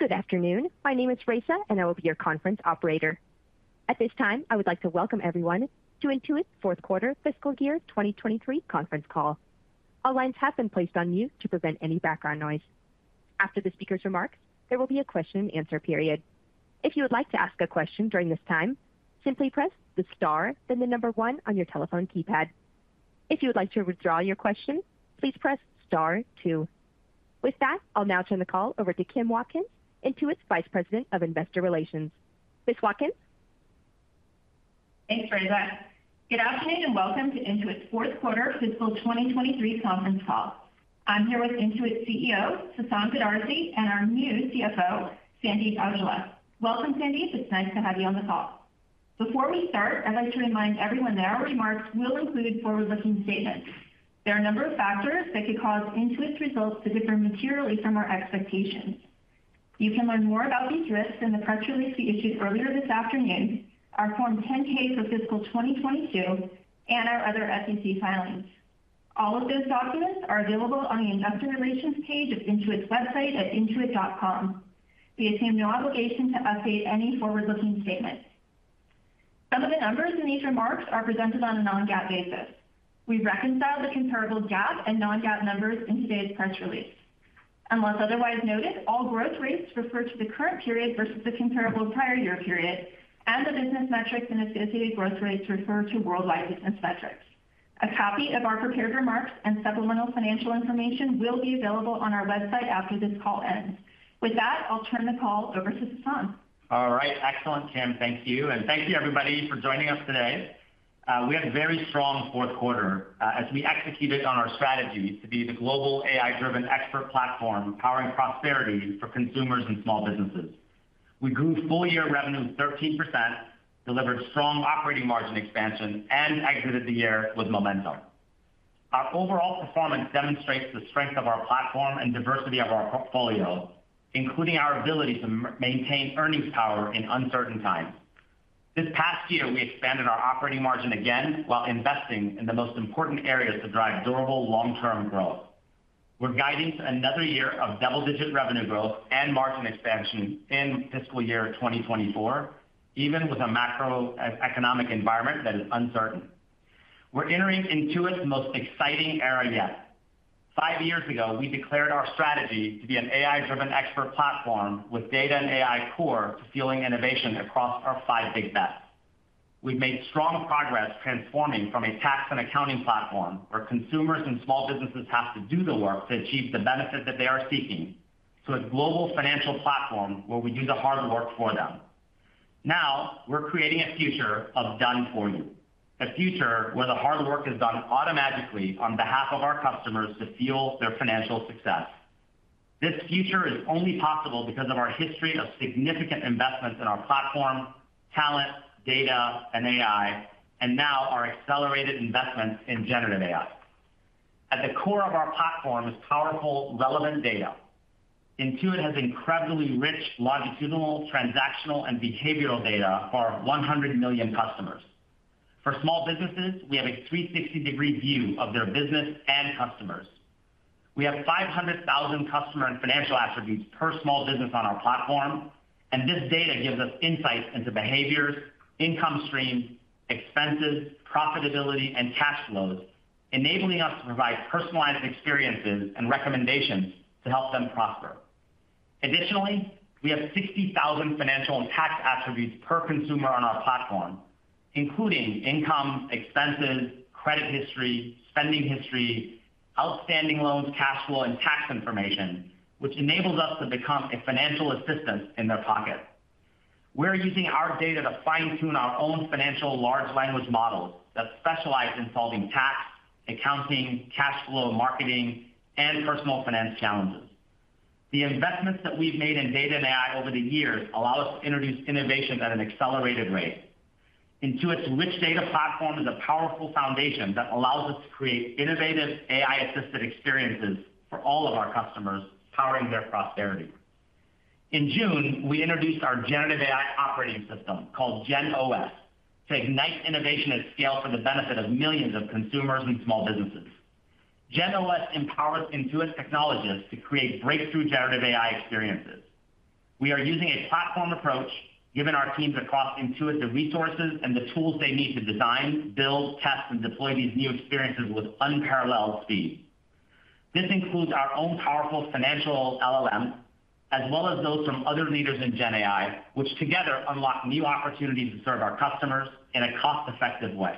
Good afternoon. My name is Raisa, and I will be your conference operator. At this time, I would like to welcome everyone to Intuit's fourth quarter fiscal year 2023 conference call. All lines have been placed on mute to prevent any background noise. After the speaker's remarks, there will be a question and answer period. If you would like to ask a question during this time, simply press the star, then the number 1 on your telephone keypad. If you would like to withdraw your question, please press star 2. With that, I'll now turn the call over to Kim Watkins, Intuit's Vice President of Investor Relations. Ms. Watkins? Thanks, Raisa. Good afternoon, and welcome to Intuit's fourth quarter fiscal 2023 conference call. I'm here with Intuit's CEO, Sasan Goodarzi, and our new CFO, Sandeep Aujla. Welcome, Sandeep. It's nice to have you on the call. Before we start, I'd like to remind everyone that our remarks will include forward-looking statements. There are a number of factors that could cause Intuit's results to differ materially from our expectations. You can learn more about these risks in the press release we issued earlier this afternoon, our Form 10-K for fiscal 2022, and our other SEC filings. All of those documents are available on the investor relations page of Intuit's website at intuit.com. We assume no obligation to update any forward-looking statements. Some of the numbers in these remarks are presented on a non-GAAP basis. We've reconciled the comparable GAAP and non-GAAP numbers in today's press release. Unless otherwise noted, all growth rates refer to the current period versus the comparable prior year period, and the business metrics and associated growth rates refer to worldwide business metrics. A copy of our prepared remarks and supplemental financial information will be available on our website after this call ends. With that, I'll turn the call over to Sasan. All right. Excellent, Kim. Thank you, and thank you everybody for joining us today. We had a very strong fourth quarter, as we executed on our strategy to be the global AI-driven expert platform, powering prosperity for consumers and small businesses. We grew full-year revenue 13%, delivered strong operating margin expansion, and exited the year with momentum. Our overall performance demonstrates the strength of our platform and diversity of our portfolio, including our ability to maintain earnings power in uncertain times. This past year, we expanded our operating margin again while investing in the most important areas to drive durable long-term growth. We're guiding to another year of double-digit revenue growth and margin expansion in fiscal year 2024, even with a macroeconomic environment that is uncertain. We're entering Intuit's most exciting era yet. Five years ago, we declared our strategy to be an AI-driven expert platform with data and AI core to fueling innovation across our five Big Bets. We've made strong progress transforming from a tax and accounting platform, where consumers and small businesses have to do the work to achieve the benefit that they are seeking, to a global financial platform where we do the hard work for them. Now, we're creating a future of done for you, a future where the hard work is done automatically on behalf of our customers to fuel their financial success. This future is only possible because of our history of significant investments in our platform, talent, data, and AI, and now our accelerated investments in generative AI. At the core of our platform is powerful, relevant data. Intuit has incredibly rich longitudinal, transactional, and behavioral data for 100 million customers. For small businesses, we have a 360-degree view of their business and customers. We have 500,000 customer and financial attributes per small business on our platform, and this data gives us insights into behaviors, income streams, expenses, profitability, and cash flows, enabling us to provide personalized experiences and recommendations to help them prosper. Additionally, we have 60,000 financial and tax attributes per Consumer on our platform, including income, expenses, credit history, spending history, outstanding loans, cash flow, and tax information, which enables us to become a financial assistant in their pocket. We're using our data to fine-tune our own financial large language models that specialize in solving tax, accounting, cash flow, marketing, and personal finance challenges. The investments that we've made in data and AI over the years allow us to introduce innovations at an accelerated rate. Intuit's rich data platform is a powerful foundation that allows us to create innovative AI-assisted experiences for all of our customers, powering their prosperity. In June, we introduced our generative AI operating system, called GenOS, to ignite innovation at scale for the benefit of millions of consumers and small businesses. GenOS empowers Intuit's technologists to create breakthrough generative AI experiences. We are using a platform approach, giving our teams across Intuit the resources and the tools they need to design, build, test, and deploy these new experiences with unparalleled speed. This includes our own powerful financial LLM, as well as those from other leaders in GenAI, which together unlock new opportunities to serve our customers in a cost-effective way.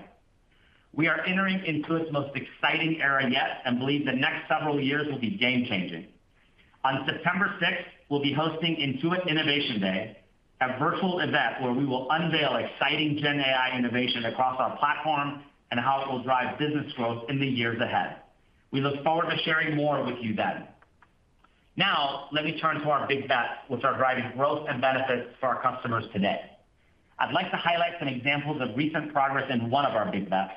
We are entering Intuit's most exciting era yet and believe the next several years will be game-changing. On September sixth, we'll be hosting Intuit Innovation Day, a virtual event where we will unveil exciting GenAI innovation across our platform and how it will drive business growth in the years ahead. We look forward to sharing more with you then. Now, let me turn to our Big Bets, which are driving growth and benefits for our customers today. I'd like to highlight some examples of recent progress in one of our Big Bets.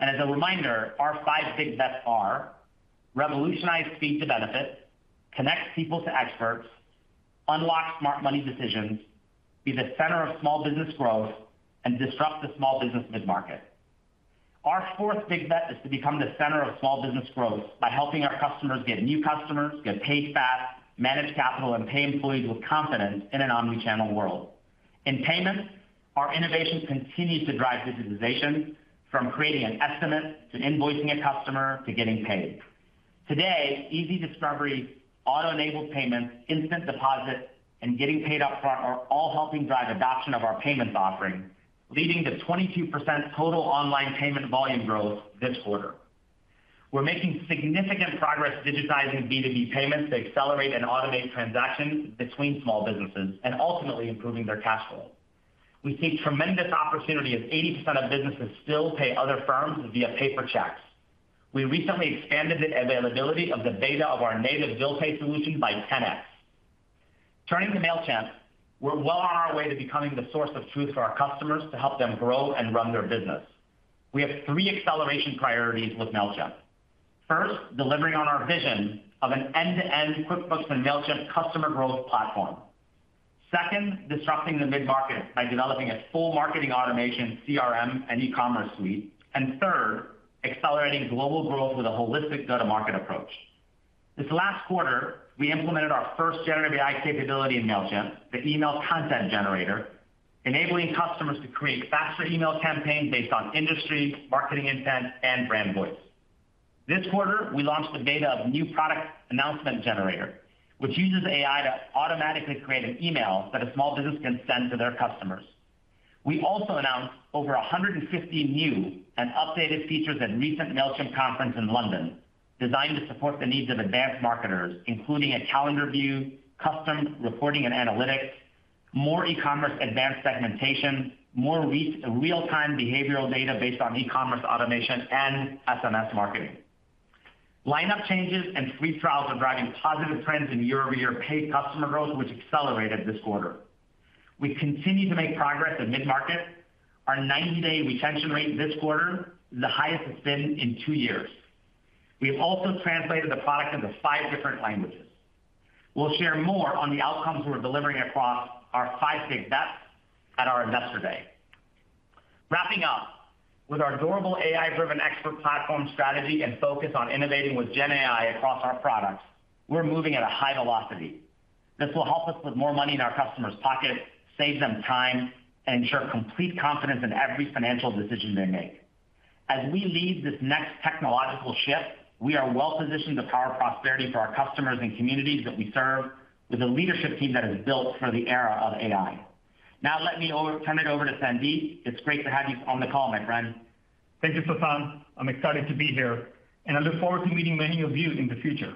As a reminder, our five Big Bets are: revolutionize speed to benefit, connect people to experts, unlock smart money decisions, be the center of small business growth, and disrupt the small business mid-market.... Our fourth big bet is to become the center of small business growth by helping our customers get new customers, get paid fast, manage capital, and pay employees with confidence in an omni-channel world. In payments, our innovation continues to drive digitization, from creating an estimate, to invoicing a customer, to getting paid. Today, easy discovery, auto-enabled payments, instant deposits, and getting paid up front are all helping drive adoption of our payments offering, leading to 22% total online payment volume growth this quarter. We're making significant progress digitizing B2B payments to accelerate and automate transactions between small businesses and ultimately improving their cash flow. We see tremendous opportunity as 80% of businesses still pay other firms via paper checks. We recently expanded the availability of the beta of our native bill pay solution by 10x. Turning to Mailchimp, we're well on our way to becoming the source of truth for our customers to help them grow and run their business. We have three acceleration priorities with Mailchimp. First, delivering on our vision of an end-to-end QuickBooks and Mailchimp customer growth platform. Second, disrupting the mid-market by developing a full marketing automation, CRM, and e-commerce suite. And third, accelerating global growth with a holistic go-to-market approach. This last quarter, we implemented our first generative AI capability in Mailchimp, the Email Content Generator, enabling customers to create faster email campaigns based on industry, marketing intent, and brand voice. This quarter, we launched the beta of New Product Announcement Generator, which uses AI to automatically create an email that a small business can send to their customers. We also announced over 150 new and updated features at recent Mailchimp conference in London, designed to support the needs of advanced marketers, including a calendar view, custom reporting and analytics, more e-commerce advanced segmentation, more real-time behavioral data based on e-commerce automation and SMS marketing. Lineup changes and free trials are driving positive trends in year-over-year paid customer growth, which accelerated this quarter. We continue to make progress in mid-market. Our 90-day retention rate this quarter is the highest it's been in two years. We've also translated the product into 5 different languages. We'll share more on the outcomes we're delivering across our five Big Bets at our investor day. Wrapping up, with our durable AI-driven expert platform strategy and focus on innovating with GenAI across our products, we're moving at a high velocity. This will help us put more money in our customers' pockets, save them time, and ensure complete confidence in every financial decision they make. As we lead this next technological shift, we are well positioned to power prosperity for our customers and communities that we serve with a leadership team that is built for the era of AI. Now, let me turn it over to Sandeep. It's great to have you on the call, my friend. Thank you, Sasan. I'm excited to be here, and I look forward to meeting many of you in the future.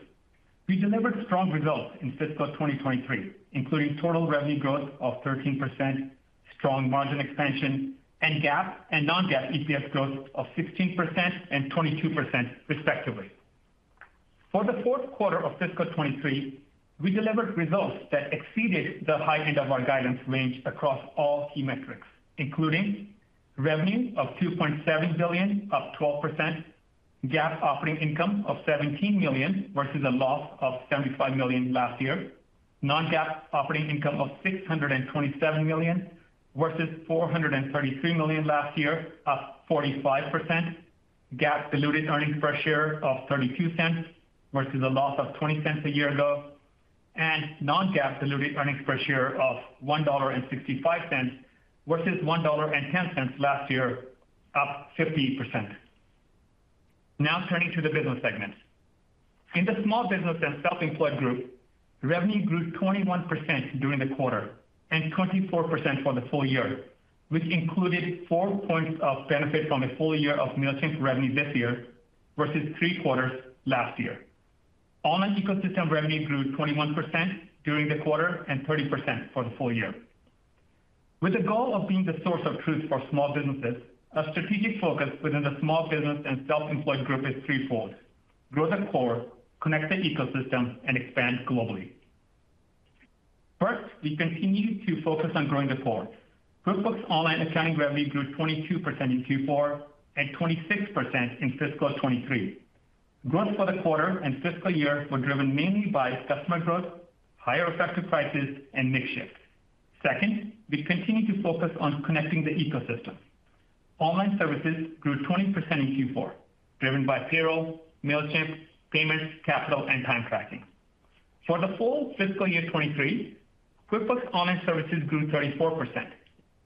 We delivered strong results in fiscal 2023, including total revenue growth of 13%, strong margin expansion, and GAAP and non-GAAP EPS growth of 16% and 22% respectively. For the fourth quarter of fiscal 2023, we delivered results that exceeded the high end of our guidance range across all key metrics, including revenue of 2.7 billion, up 12%, GAAP operating income of 17 million, versus a loss of 75 million last year, non-GAAP operating income of 627 million, versus433 million last year, up 45%, GAAP diluted earnings per share of $0.32, versus a loss of 0.20 a year ago, and non-GAAP diluted earnings per share of 1.65, versus 1.10 last year, up 50%. Now, turning to the business segments. In the Small Business and Self-Employed Group, revenue grew 21% during the quarter and 24% for the full year, which included 4 points of benefit from a full year of Mailchimp revenue this year versus three quarters last year. Online Ecosystem revenue grew 21% during the quarter and 30% for the full year. With the goal of being the source of truth for small businesses, our strategic focus within the Small Business and Self-Employed Group is threefold: grow the core, connect the ecosystem, and expand globally. First, we continue to focus on growing the core. QuickBooks Online accounting revenue grew 22% in Q4 and 26% in fiscal 2023. Growth for the quarter and fiscal year were driven mainly by customer growth, higher effective prices, and mix shifts. Second, we continue to focus on connecting the ecosystem. Online Services grew 20% in Q4, driven by Payroll, Mailchimp, Payments, Capital, and Time Tracking. For the full fiscal year 2023, QuickBooks Online Services grew 34%,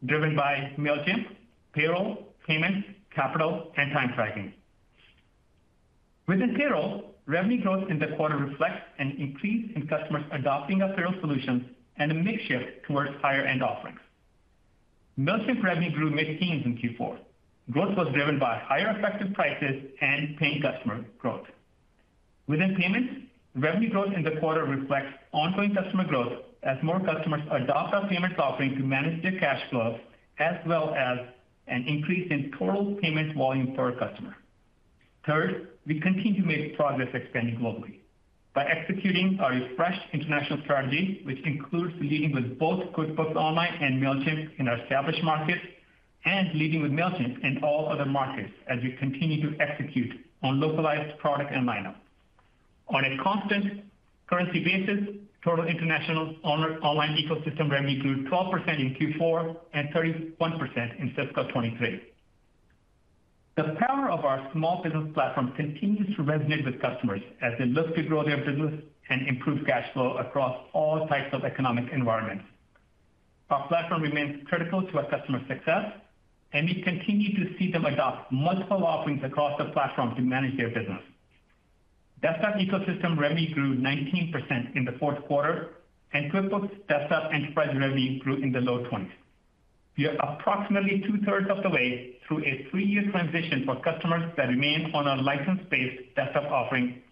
driven by Mailchimp, Payroll, Payments, Capital, and Time Tracking. Within Payroll, revenue growth in the quarter reflects an increase in customers adopting our payroll solutions and a mix shift towards higher-end offerings. Mailchimp revenue grew mid-teens in Q4. Growth was driven by higher effective prices and paying customer growth. Within Payments, revenue growth in the quarter reflects ongoing customer growth as more customers adopt our payments offering to manage their cash flow, as well as an increase in total payments volume per customer. Third, we continue to make progress expanding globally by executing our refreshed international strategy, which includes leading with both QuickBooks Online and Mailchimp in our established markets, and leading with Mailchimp in all other markets as we continue to execute on localized product and lineup. On a constant currency basis, total international Intuit Online Ecosystem revenue grew 12% in Q4 and 31% in fiscal 2023. The power of our small business platform continues to resonate with customers as they look to grow their business and improve cash flow across all types of economic environments. Our platform remains critical to our customer success, and we continue to see them adopt multiple offerings across the platform to manage their business. Desktop Ecosystem revenue grew 19% in the fourth quarter, and QuickBooks Desktop Enterprise revenue grew in the low 20s. We are approximately two-thirds of the way through a three-year transition for customers that remain on our license-based desktop offering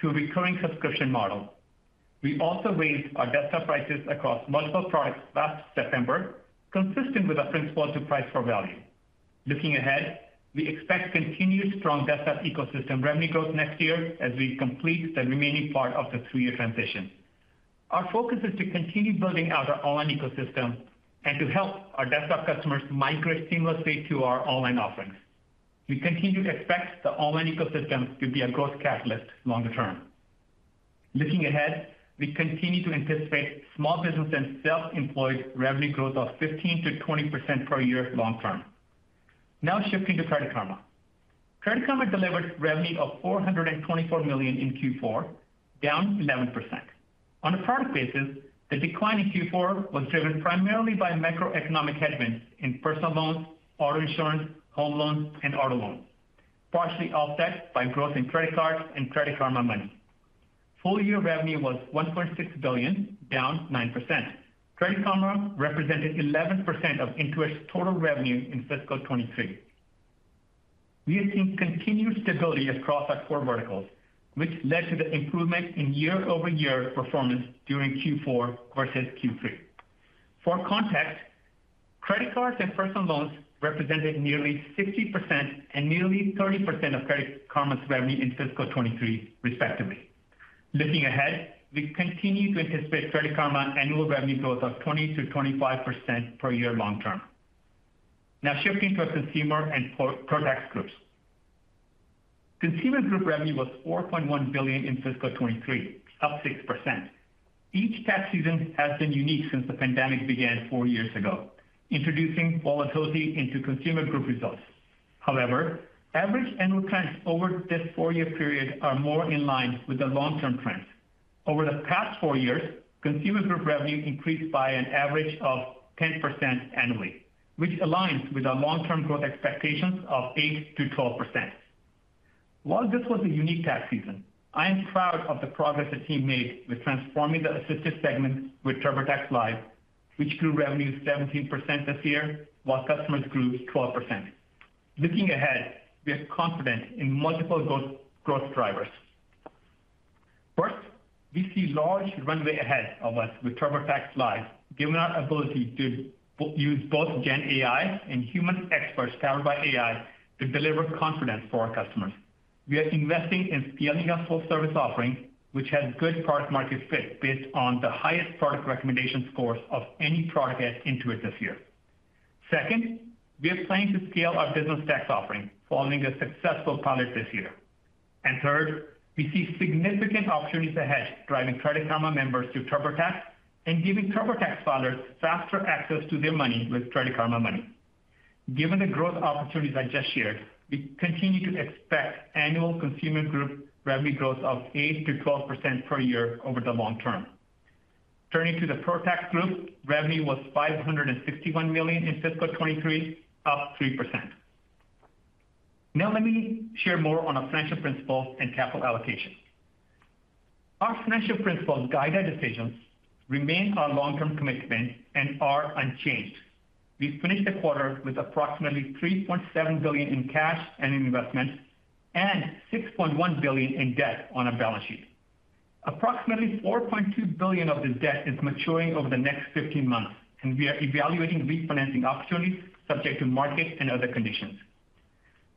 to a recurring subscription model. We also raised our desktop prices across multiple products last September, consistent with our principle to price for value. Looking ahead, we expect continued strong Desktop Ecosystem revenue growth next year as we complete the remaining part of the three-year transition. Our focus is to continue building out our Online Ecosystem and to help our desktop customers migrate seamlessly to our online offerings. We continue to expect the Online Ecosystem to be a growth catalyst longer term. Looking ahead, we continue to anticipate small business and self-employed revenue growth of 15%-20% per year long term. Now shifting to Credit Karma. Credit Karma delivered revenue of 424 million in Q4, down 11%. On a product basis, the decline in Q4 was driven primarily by macroeconomic headwinds in personal loans, auto insurance, home loans, and auto loans, partially offset by growth in credit cards and Credit Karma Money. Full year revenue was 1.6 billion, down 9%. Credit Karma represented 11% of Intuit's total revenue in fiscal 2023. We have seen continued stability across our core verticals, which led to the improvement in year-over-year performance during Q4 versus Q3. For context, credit cards and personal loans represented nearly 60% and nearly 30% of Credit Karma's revenue in fiscal 2023, respectively. Looking ahead, we continue to anticipate Credit Karma annual revenue growth of 20%-25% per year long term. Now shifting to our Consumer and Pro, ProTax groups. Consumer Group revenue was 4.1 billion in fiscal 2023, up 6%. Each tax season has been unique since the pandemic began four years ago, introducing volatility into Consumer Group results. However, average annual trends over this four-year period are more in line with the long-term trend. Over the past four years, Consumer Group revenue increased by an average of 10% annually, which aligns with our long-term growth expectations of 8%-12%. While this was a unique tax season, I am proud of the progress the team made with transforming the assisted segment with TurboTax Live, which grew revenue 17% this year, while customers grew 12%. Looking ahead, we are confident in multiple growth, growth drivers. First, we see large runway ahead of us with TurboTax Live, given our ability to use both GenAI and human experts powered by AI to deliver confidence for our customers. We are investing in scaling our Full Service offering, which has good product market fit based on the highest product recommendation scores of any product at Intuit this year. Second, we are planning to scale our Business Tax offering following a successful pilot this year. And third, we see significant opportunities ahead, driving Credit Karma members to TurboTax and giving TurboTax filers faster access to their money with Credit Karma Money. Given the growth opportunities I just shared, we continue to expect annual Consumer Group revenue growth of 8%-12% per year over the long term. Turning to the ProTax Group, revenue was $561 million in fiscal 2023, up 3%. Now let me share more on our financial principles and capital allocation. Our financial principles guide our decisions, remain our long-term commitment, and are unchanged. We finished the quarter with approximately $3.7 billion in cash and in investments, and $6.1 billion in debt on our balance sheet. Approximately $4.2 billion of this debt is maturing over the next 15 months, and we are evaluating refinancing opportunities subject to market and other conditions.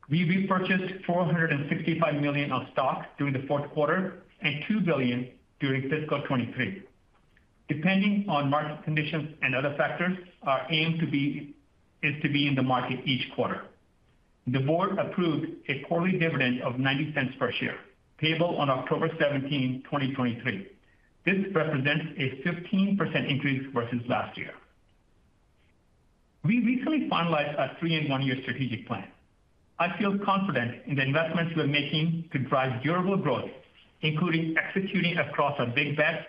We repurchased $465 million of stock during the fourth quarter and $2 billion during fiscal 2023. Depending on market conditions and other factors, our aim is to be in the market each quarter. The board approved a quarterly dividend of $0.90 per share, payable on October 17, 2023. This represents a 15% increase versus last year. We recently finalized our 3- and 1-year strategic plan. I feel confident in the investments we are making to drive durable growth, including executing across our Big Bets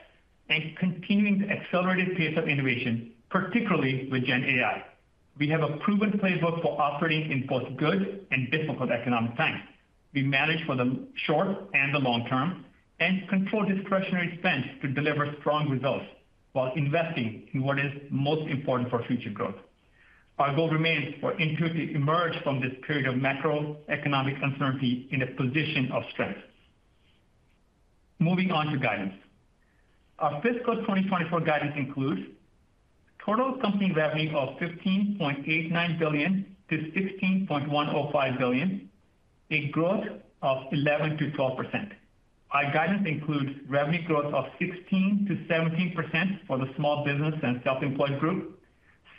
and continuing the accelerated pace of innovation, particularly with GenAI. We have a proven playbook for operating in both good and difficult economic times. We manage for the short and the long term, and control discretionary spends to deliver strong results while investing in what is most important for future growth. Our goal remains for Intuit to emerge from this period of macroeconomic uncertainty in a position of strength. Moving on to guidance. Our fiscal 2024 guidance includes total company revenue of $15.89 billion-$16.105 billion, a growth of 11%-12%. Our guidance includes revenue growth of 16%-17% for the Small Business and Self-Employed Group.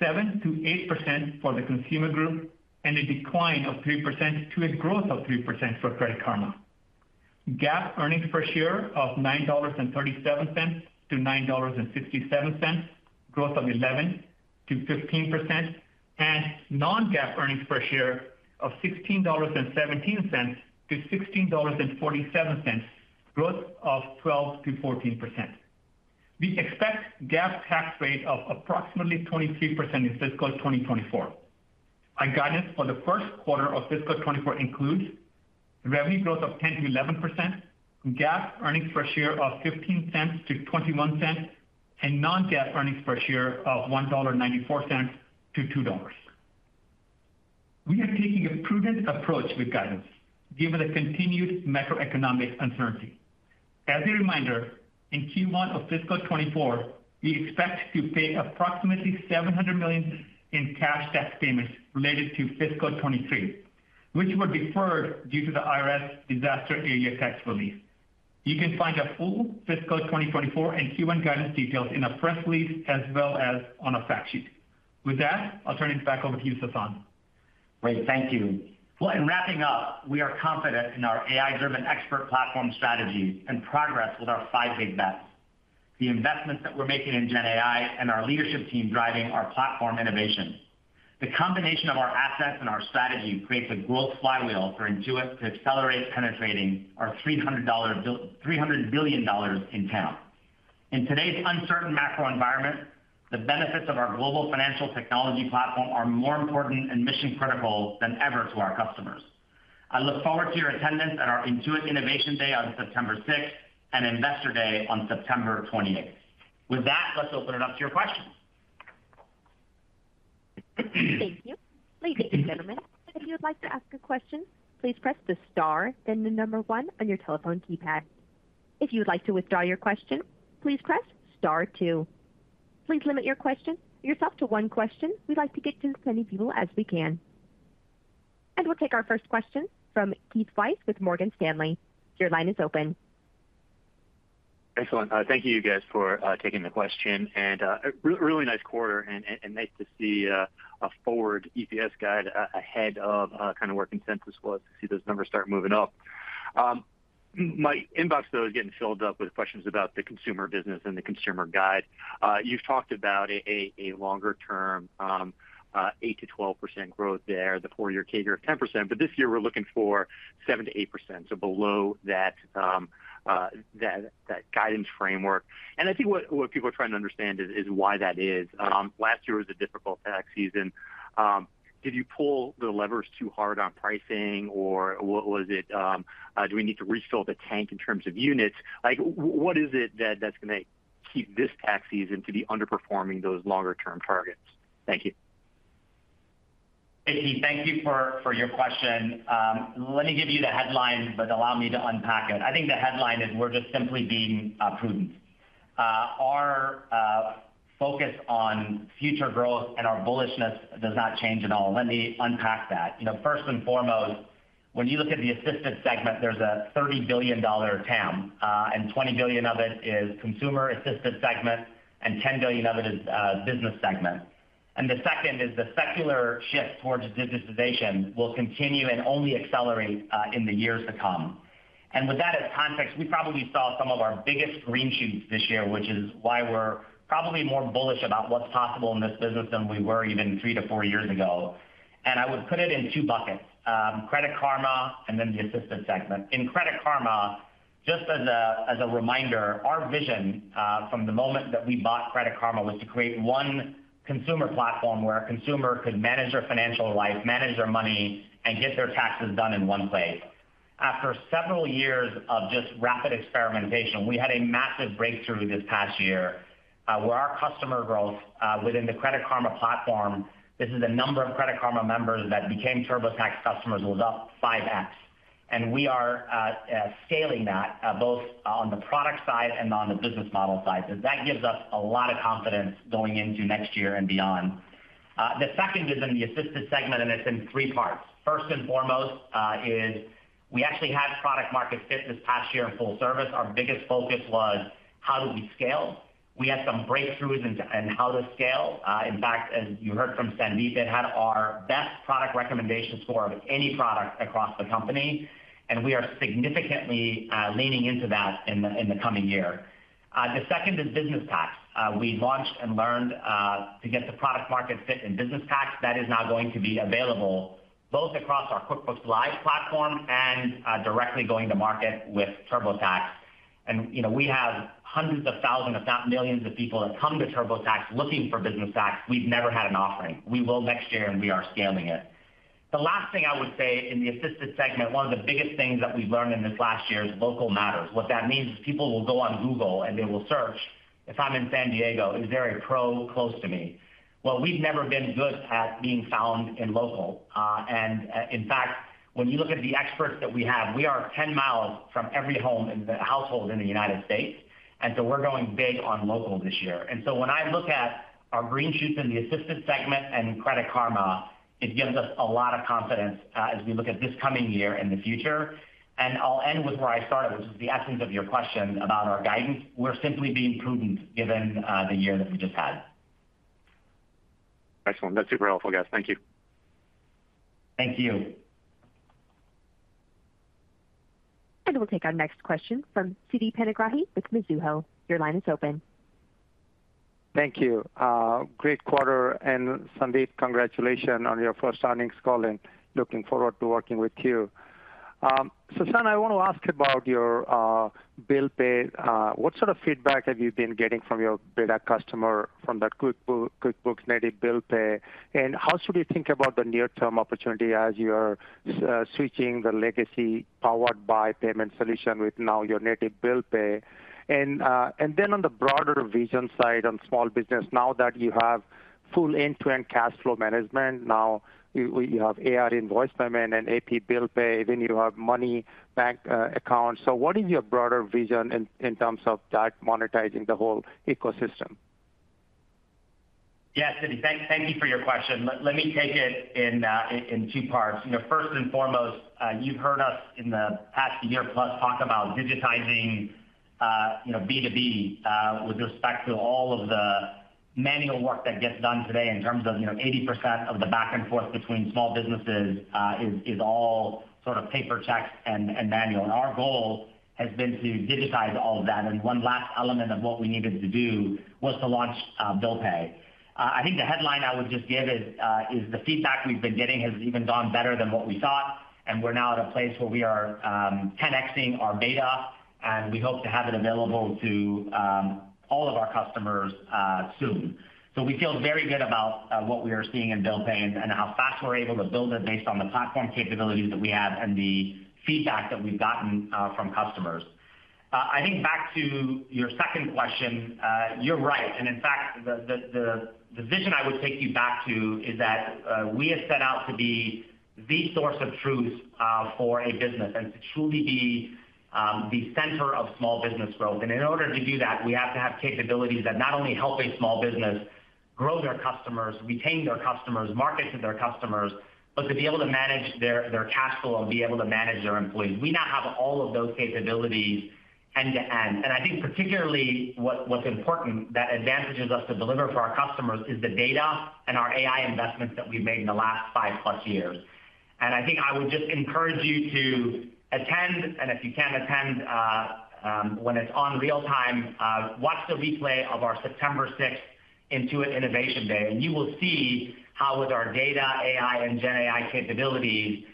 7%-8% for the Consumer group, and a decline of 3% to a growth of 3% for Credit Karma. GAAP earnings per share of $9.37-$9.67, growth of 11%-15%, and non-GAAP earnings per share of $16.17-$16.47, growth of 12%-14%. We expect GAAP tax rate of approximately 23% in fiscal 2024. Our guidance for the first quarter of fiscal 2024 includes revenue growth of 10%-11%, GAAP earnings per share of $0.15-$0.21, and non-GAAP earnings per share of $1.94-$2.00. We are taking a prudent approach with guidance, given the continued macroeconomic uncertainty. As a reminder, in Q1 of fiscal 2024, we expect to pay approximately 700 million in cash tax payments related to fiscal 2023, which were deferred due to the IRS disaster area tax relief. You can find a full fiscal 2024 and Q1 guidance details in a press release as well as on a fact sheet. With that, I'll turn it back over to you, Sasan. Great, thank you. Well, in wrapping up, we are confident in our AI-driven expert platform strategy and progress with our five Big Bets, the investments that we're making in GenAI, and our leadership team driving our platform innovation. The combination of our assets and our strategy creates a growth flywheel for Intuit to accelerate penetrating our $300 billion in TAM. In today's uncertain macro environment, the benefits of our global financial technology platform are more important and mission-critical than ever to our customers. I look forward to your attendance at our Intuit Innovation Day on September 6, and Investor Day on September 28. With that, let's open it up to your questions. Thank you. Ladies and gentlemen, if you would like to ask a question, please press the star, then the number 1 on your telephone keypad. If you would like to withdraw your question, please press star two. Please limit yourself to one question. We'd like to get to as many people as we can. We'll take our first question from Keith Weiss with Morgan Stanley. Your line is open. Excellent. Thank you, you guys, for taking the question. And a really nice quarter and nice to see a forward EPS guide ahead of kind of where consensus was to see those numbers start moving up. My inbox, though, is getting filled up with questions about the Consumer business and the Consumer guide. You've talked about a longer-term 8%-12% growth there, the four-year CAGR of 10%, but this year we're looking for 7%-8%, so below that, that guidance framework. And I think what people are trying to understand is why that is. Mm-hmm. Last year was a difficult tax season. Did you pull the levers too hard on pricing, or what was it, do we need to refill the tank in terms of units? Like, what is it that, that's gonna keep this tax season to be underperforming those longer-term targets? Thank you. Hey, Keith, thank you for your question. Let me give you the headline, but allow me to unpack it. I think the headline is we're just simply being prudent. Our focus on future growth and our bullishness does not change at all. Let me unpack that. You know, first and foremost, when you look at the assisted segment, there's a $30 billion TAM, and $20 billion of it is Consumer assisted segment, and 10 billion of it is business segment. And the second is the secular shift towards digitization will continue and only accelerate in the years to come. And with that as context, we probably saw some of our biggest green shoots this year, which is why we're probably more bullish about what's possible in this business than we were even 3-4 years ago. And I would put it in two buckets, Credit Karma and then the assisted segment. In Credit Karma, just as a reminder, our vision from the moment that we bought Credit Karma was to create one Consumer platform where a Consumer could manage their financial life, manage their money, and get their taxes done in one place. After several years of just rapid experimentation, we had a massive breakthrough this past year, where our customer growth within the Credit Karma platform, this is the number of Credit Karma members that became TurboTax customers, was up 5x. And we are scaling that both on the product side and on the business model side. So that gives us a lot of confidence going into next year and beyond. The second is in the assisted segment, and it's in three parts. First and foremost, is we actually had product market fit this past year in Full Service. Our biggest focus was, how do we scale? We had some breakthroughs in how to scale. In fact, as you heard from Sandeep, it had our best product recommendation score of any product across the company, and we are significantly leaning into that in the coming year. The second is Business Tax. We launched and learned to get the product market fit in Business Tax. That is now going to be available both across our QuickBooks Live platform and directly going to market with TurboTax. And, you know, we have hundreds of thousands, if not millions, of people that come to TurboTax looking for Business Tax. We've never had an offering. We will next year, and we are scaling it. The last thing I would say in the assisted segment, one of the biggest things that we've learned in this last year is local matters. What that means is people will go on Google, and they will search. If I'm in San Diego, is there a pro close to me? Well, we've never been good at being found in local. And, in fact, when you look at the experts that we have, we are 10 miles from every home in the household in the United States, and so we're going big on local this year. And so when I look at our green shoots in the assisted segment and in Credit Karma, it gives us a lot of confidence, as we look at this coming year and the future. I'll end with where I started, which is the essence of your question about our guidance. We're simply being prudent, given the year that we just had.... Excellent. That's super helpful, guys. Thank you. Thank you. We'll take our next question from Siti Panigrahi with Mizuho. Your line is open. Thank you. Great quarter, and Sandeep, congratulations on your first earnings call, and looking forward to working with you. Sasan, I want to ask about your Bill Pay. What sort of feedback have you been getting from your beta customer from that QuickBooks Native Bill Pay? And how should we think about the near-term opportunity as you're switching the legacy powered by payment solution with now your native Bill Pay? And then on the broader vision side, on small business, now that you have full end-to-end cash flow management, now you have AR invoice payment and AP Bill Pay, then you have money bank accounts. So what is your broader vision in terms of that monetizing the whole ecosystem? Yes, Siti, thank you for your question. Let me take it in two parts. You know, first and foremost, you've heard us in the past year plus talk about digitizing you know B2B with respect to all of the manual work that gets done today in terms of you know 80% of the back and forth between small businesses is all sort of paper checks and manual. And our goal has been to digitize all of that, and one last element of what we needed to do was to launch Bill Pay. I think the headline I would just give is the feedback we've been getting has even gone better than what we thought, and we're now at a place where we are 10x-ing our beta, and we hope to have it available to all of our customers soon. So we feel very good about what we are seeing in Bill Pay and how fast we're able to build it based on the platform capabilities that we have and the feedback that we've gotten from customers. I think back to your second question, you're right. And in fact, the vision I would take you back to is that we have set out to be the source of truth for a business and to truly be the center of small business growth. And in order to do that, we have to have capabilities that not only help a small business grow their customers, retain their customers, market to their customers, but to be able to manage their, their cash flow and be able to manage their employees. We now have all of those capabilities end to end. And I think particularly what, what's important, that advantages us to deliver for our customers, is the data and our AI investments that we've made in the last 5+ years. I think I would just encourage you to attend, and if you can't attend, when it's on real time, watch the replay of our September sixth Intuit Innovation Day, and you will see how with our data, AI, and GenAI capabilities,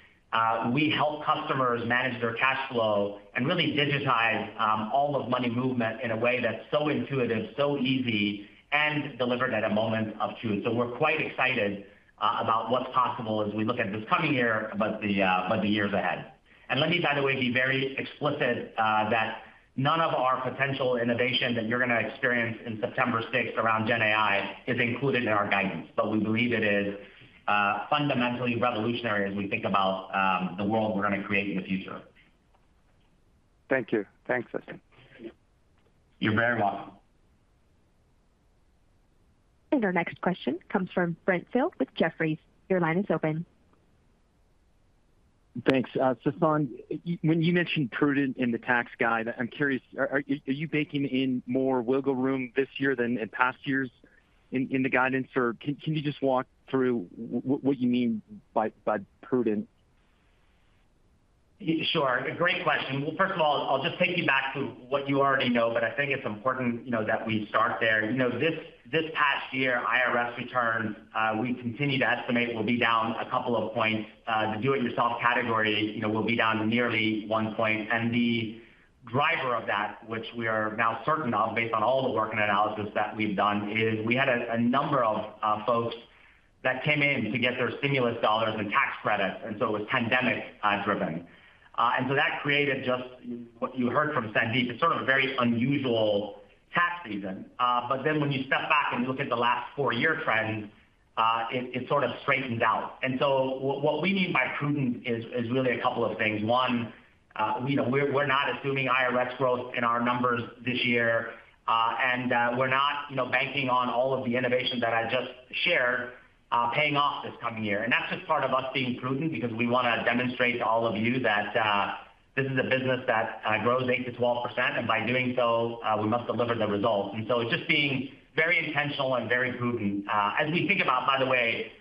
we help customers manage their cash flow and really digitize all of money movement in a way that's so intuitive, so easy, and delivered at a moment of truth. So we're quite excited about what's possible as we look at this coming year, but the, but the years ahead. And let me, by the way, be very explicit that none of our potential innovation that you're gonna experience in September sixth around GenAI is included in our guidance, but we believe it is fundamentally revolutionary as we think about the world we're gonna create in the future. Thank you. Thanks, Sasan. You're very welcome. Our next question comes from Brent Thill with Jefferies. Your line is open. Thanks. Sasan, when you mentioned prudent in the tax guide, I'm curious, are you baking in more wiggle room this year than in past years in the guidance? Or can you just walk through what you mean by prudent? Sure. A great question. Well, first of all, I'll just take you back to what you already know, but I think it's important, you know, that we start there. You know, this, this past year, IRS return, we continue to estimate will be down a couple of points. The do-it-yourself category, you know, will be down nearly one point. And the driver of that, which we are now certain of, based on all the work and analysis that we've done, is we had a, a number of, folks that came in to get their stimulus dollars and tax credits, and so it was pandemic driven. And so that created just what you heard from Sandeep. It's sort of a very unusual tax season. But then when you step back and look at the last four-year trend, it, it sort of straightens out. What we mean by prudent is really a couple of things. One, we know we're not assuming IRS growth in our numbers this year, and we're not, you know, banking on all of the innovation that I just shared paying off this coming year. And that's just part of us being prudent, because we wanna demonstrate to all of you that this is a business that grows 8%-12%, and by doing so, we must deliver the results. And so it's just being very intentional and very prudent as we think about, by the way,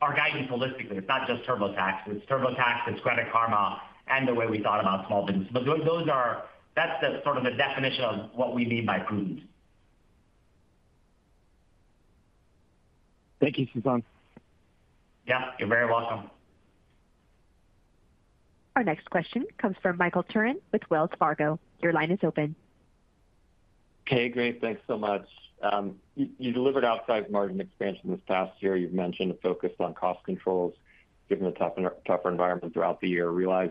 our guidance holistically. It's not just TurboTax, it's TurboTax, it's Credit Karma, and the way we thought about small business. But those are—that's the sort of the definition of what we mean by prudent. Thank you, Sasan. Yeah, you're very welcome. Our next question comes from Michael Turrin with Wells Fargo. Your line is open. Okay, great. Thanks so much. You delivered outside margin expansion this past year. You've mentioned a focus on cost controls, given the tougher environment throughout the year. I realize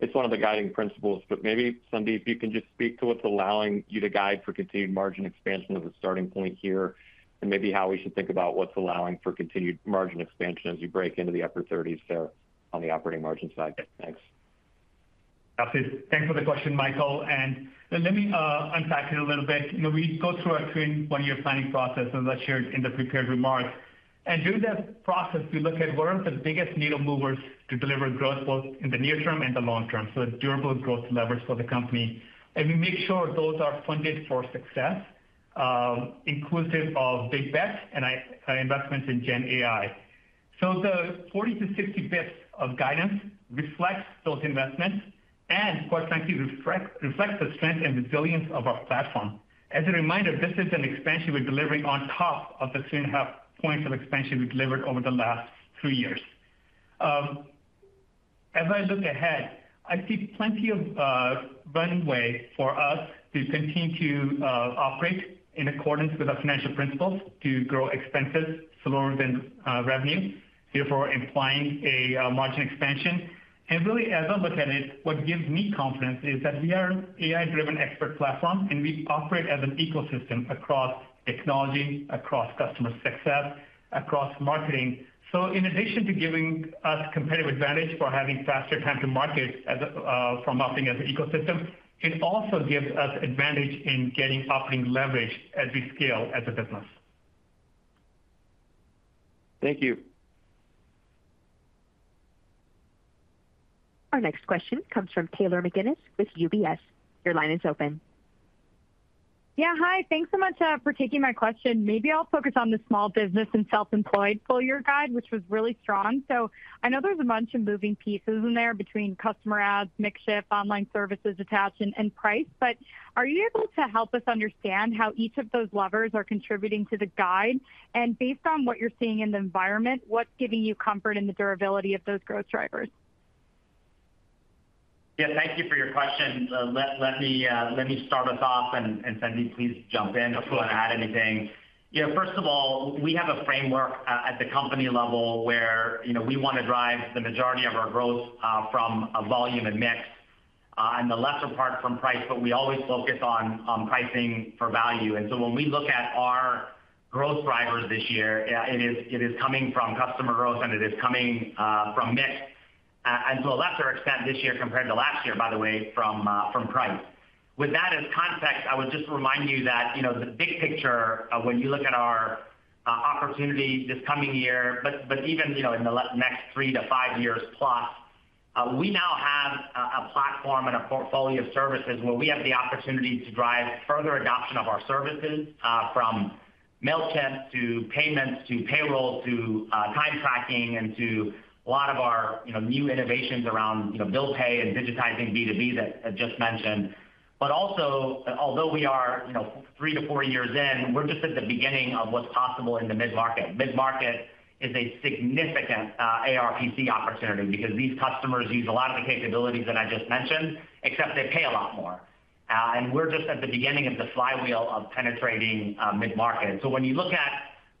it's one of the guiding principles, but maybe, Sandeep, you can just speak to what's allowing you to guide for continued margin expansion as a starting point here, and maybe how we should think about what's allowing for continued margin expansion as you break into the upper thirties there on the operating margin side. Thanks. Absolutely. Thanks for the question, Michael, and let me unpack it a little bit. You know, we go through our 3 one-year planning process, as I shared in the prepared remarks. Through that process, we look at what are the biggest needle movers to deliver growth both in the near term and the long term, so durable growth levers for the company. We make sure those are funded for success, inclusive of Big Bet and investments in GenAI. So the 40-50 bps of guidance reflects those investments and, quite frankly, reflects the strength and resilience of our platform. As a reminder, this is an expansion we're delivering on top of the 2.5 points of expansion we've delivered over the last 3 years. As I look ahead, I see plenty of runway for us to continue to operate in accordance with our financial principles, to grow expenses slower than revenue, therefore implying a margin expansion. And really, as I look at it, what gives me confidence is that we are an AI-driven expert platform, and we operate as an ecosystem across technology, across customer success, across marketing. So in addition to giving us competitive advantage for having faster time to market as a from operating as an ecosystem, it also gives us advantage in getting operating leverage as we scale as a business. Thank you. Our next question comes from Taylor McGinnis with UBS. Your line is open. Yeah, hi. Thanks so much for taking my question. Maybe I'll focus on the small business and self-employed full year guide, which was really strong. So I know there's a bunch of moving pieces in there between customer adds, mix shift, online services attached, and price. But are you able to help us understand how each of those levers are contributing to the guide? And based on what you're seeing in the environment, what's giving you comfort in the durability of those growth drivers? Yeah, thank you for your question. Let me start us off, and Sandeep, please jump in- Sure. If you want to add anything. Yeah, first of all, we have a framework at the company level where, you know, we want to drive the majority of our growth from a volume and mix, and the lesser part from price, but we always focus on pricing for value. And so when we look at our growth drivers this year, it is coming from customer growth, and it is coming from mix, and to a lesser extent this year compared to last year, by the way, from price. With that as context, I would just remind you that, you know, the big picture of when you look at our opportunity this coming year, but even, you know, in the next three to five years plus, we now have a platform and a portfolio of services where we have the opportunity to drive further adoption of our services from Mailchimp, to payments, to payroll, to time tracking, and to a lot of our, you know, new innovations around, you know, Bill Pay and digitizing B2B that I just mentioned. But also, although we are, you know, three to four years in, we're just at the beginning of what's possible in the mid-market. Mid-market is a significant ARPC opportunity because these customers use a lot of the capabilities that I just mentioned, except they pay a lot more. And we're just at the beginning of the flywheel of penetrating mid-market. So when you look at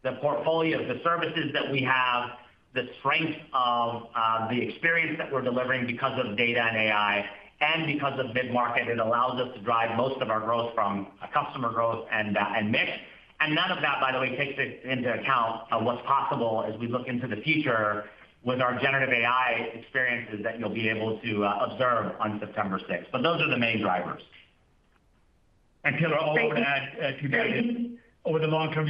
the portfolio, the services that we have, the strength of the experience that we're delivering because of data and AI, and because of mid-market, it allows us to drive most of our growth from a customer growth and and mix. And none of that, by the way, takes in into account of what's possible as we look into the future with our generative AI experiences that you'll be able to observe on September sixth. But those are the main drivers. Taylor, I'll add to that. Thank you. Over the long term,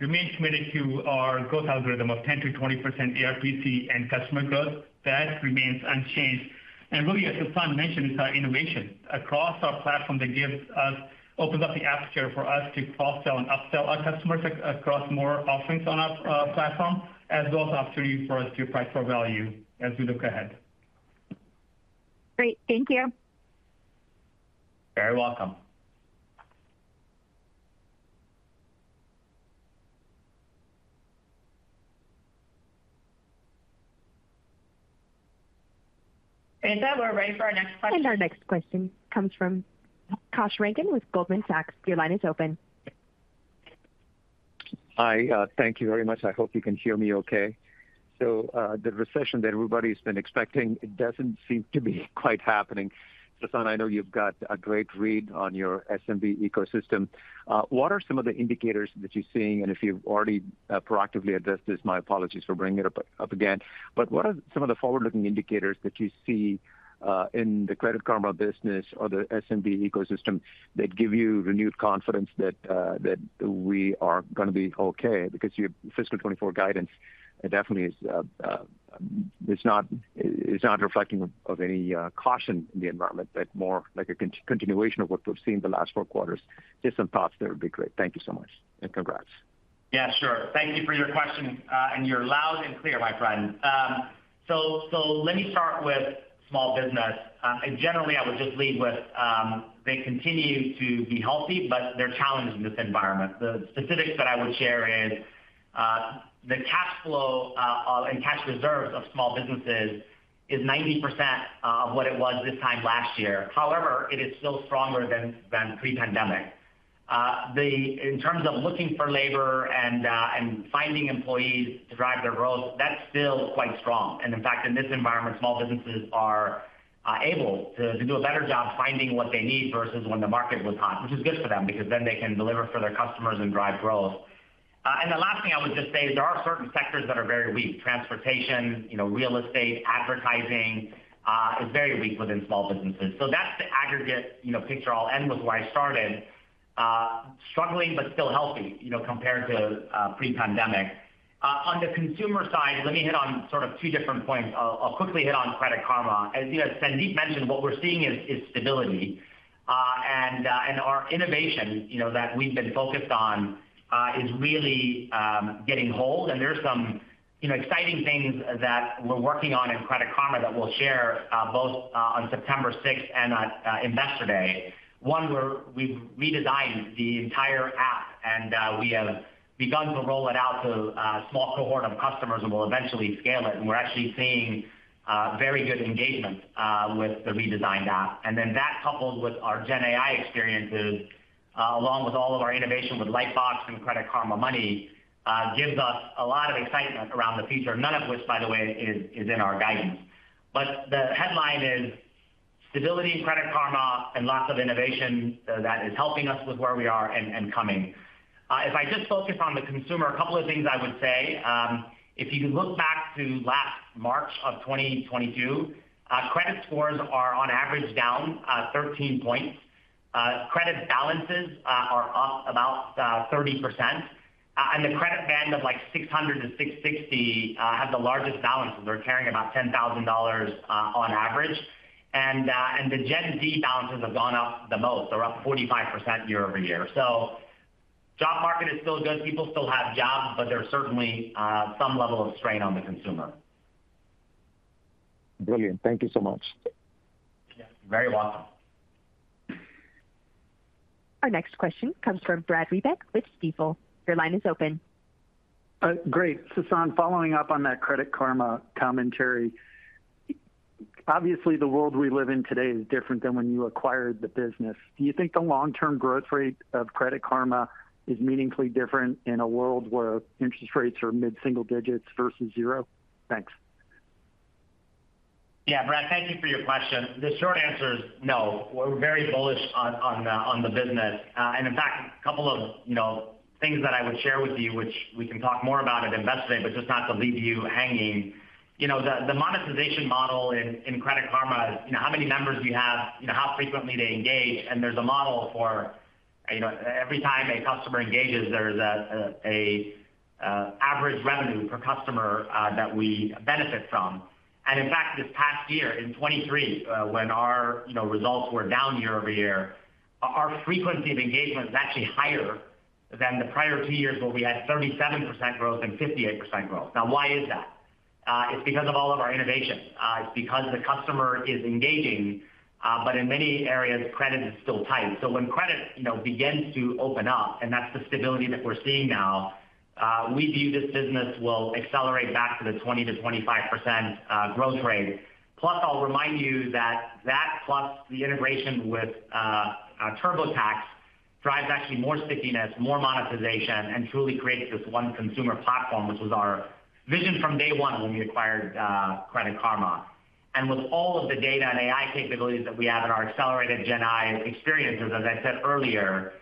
we remain committed to our growth algorithm of 10%-20% ARPC and customer growth. That remains unchanged. And really, as Sasan mentioned, it's our innovation across our platform that gives us... opens up the aperture for us to cross-sell and upsell our customers across more offerings on our platform, as well as opportunity for us to price for value as we look ahead. Great. Thank you. Very welcome. We're ready for our next question. Our next question comes from Kash Rangan with Goldman Sachs. Your line is open. Hi, thank you very much. I hope you can hear me okay. So, the recession that everybody's been expecting, it doesn't seem to be quite happening. Sasan, I know you've got a great read on your SMB ecosystem. What are some of the indicators that you're seeing? And if you've already proactively addressed this, my apologies for bringing it up again. But what are some of the forward-looking indicators that you see in the Credit Karma business or the SMB ecosystem that give you renewed confidence that we are going to be okay? Because your fiscal 2024 guidance definitely is not reflecting any caution in the environment, but more like a continuation of what we've seen in the last four quarters. Just some thoughts there would be great. Thank you so much, and congrats. Yeah, sure. Thank you for your question, and you're loud and clear, my friend. So let me start with small business. And generally, I would just lead with, they continue to be healthy, but they're challenged in this environment. The specifics that I would share is, the cash flow and cash reserves of small businesses is 90% of what it was this time last year. However, it is still stronger than pre-pandemic. In terms of looking for labor and finding employees to drive their growth, that's still quite strong. And in fact, in this environment, small businesses are able to do a better job finding what they need versus when the market was hot, which is good for them, because then they can deliver for their customers and drive growth. And the last thing I would just say is there are certain sectors that are very weak. Transportation, you know, real estate, advertising is very weak within small businesses. So that's the aggregate, you know, picture. I'll end with where I started, struggling, but still healthy, you know, compared to pre-pandemic. On the Consumer side, let me hit on sort of two different points. I'll quickly hit on Credit Karma. As you know, Sandeep mentioned, what we're seeing is stability. And our innovation, you know, that we've been focused on is really getting hold. And there's some, you know, exciting things that we're working on in Credit Karma that we'll share both on September sixth and on Investor Day. One, where we've redesigned the entire app, and we have begun to roll it out to a small cohort of customers, and we'll eventually scale it. And we're actually seeing very good engagement with the redesigned app. And then that, coupled with our GenAI experiences, along with all of our innovation with Lightbox and Credit Karma Money, gives us a lot of excitement around the future. None of which, by the way, is in our guidance. But the headline is: Stability in Credit Karma and lots of innovation that is helping us with where we are and coming. If I just focus on the Consumer, a couple of things I would say. If you look back to last March of 2022, credit scores are on average down 13 points. Credit balances are up about 30%. The credit band of, like, 660 have the largest balances. They're carrying about $10,000 on average. The Gen Z balances have gone up the most. They're up 45% year-over-year. Job market is still good. People still have jobs, but there's certainly some level of strain on the Consumer. Brilliant. Thank you so much. Yeah. Very welcome. Our next question comes from Brad Reback with Stifel. Your line is open. Great. Sasan, following up on that Credit Karma commentary. Obviously, the world we Live in today is different than when you acquired the business. Do you think the long-term growth rate of Credit Karma is meaningfully different in a world where interest rates are mid-single digits versus zero? Thanks. Yeah, Brad, thank you for your question. The short answer is no. We're very bullish on the business. And in fact, a couple of, you know, things that I would share with you, which we can talk more about at Investor Day, but just not to leave you hanging. You know, the monetization model in Credit Karma, you know, how many members you have, you know, how frequently they engage, and there's a model for, you know, every time a customer engages, there's a average revenue per customer that we benefit from. And in fact, this past year, in 2023, when our, you know, results were down year-over-year, our frequency of engagement is actually higher than the prior two years, where we had 37% growth and 58% growth. Now, why is that? It's because of all of our innovations. It's because the customer is engaging, but in many areas, credit is still tight. So when credit, you know, begins to open up, and that's the stability that we're seeing now, we view this business will accelerate back to the 20%-25% growth rate. Plus, I'll remind you that that plus the integration with TurboTax drives actually more stickiness, more monetization, and truly creates this one consumer platform, which was our vision from day one when we acquired Credit Karma. And with all of the data and AI capabilities that we have in our accelerated GenAI experiences, as I said earlier,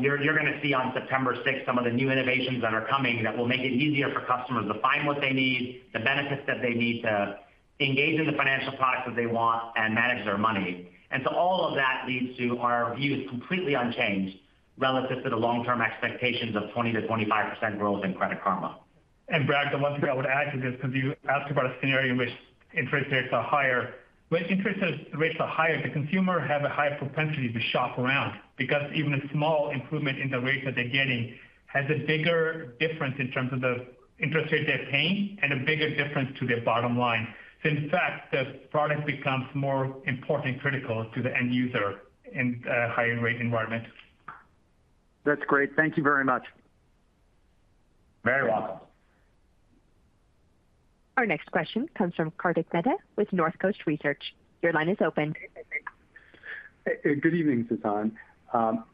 you're, you're going to see on September sixth some of the new innovations that are coming that will make it easier for customers to find what they need, the benefits that they need, to engage in the financial products that they want and manage their money. And so all of that leads to our view is completely unchanged relative to the long-term expectations of 20%-25% growth in Credit Karma. Brad, the one thing I would add to this, because you asked about a scenario in which interest rates are higher. When interest rates are higher, the Consumer have a higher propensity to shop around, because even a small improvement in the rates that they're getting has a bigger difference in terms of the interest rate they're paying and a bigger difference to their bottom line. So in fact, the product becomes more important, critical to the end user in a higher rate environment. That's great. Thank you very much. Very welcome. Our next question comes from Kartik Mehta with North Coast Research. Your line is open. Hey, good evening, Sasan.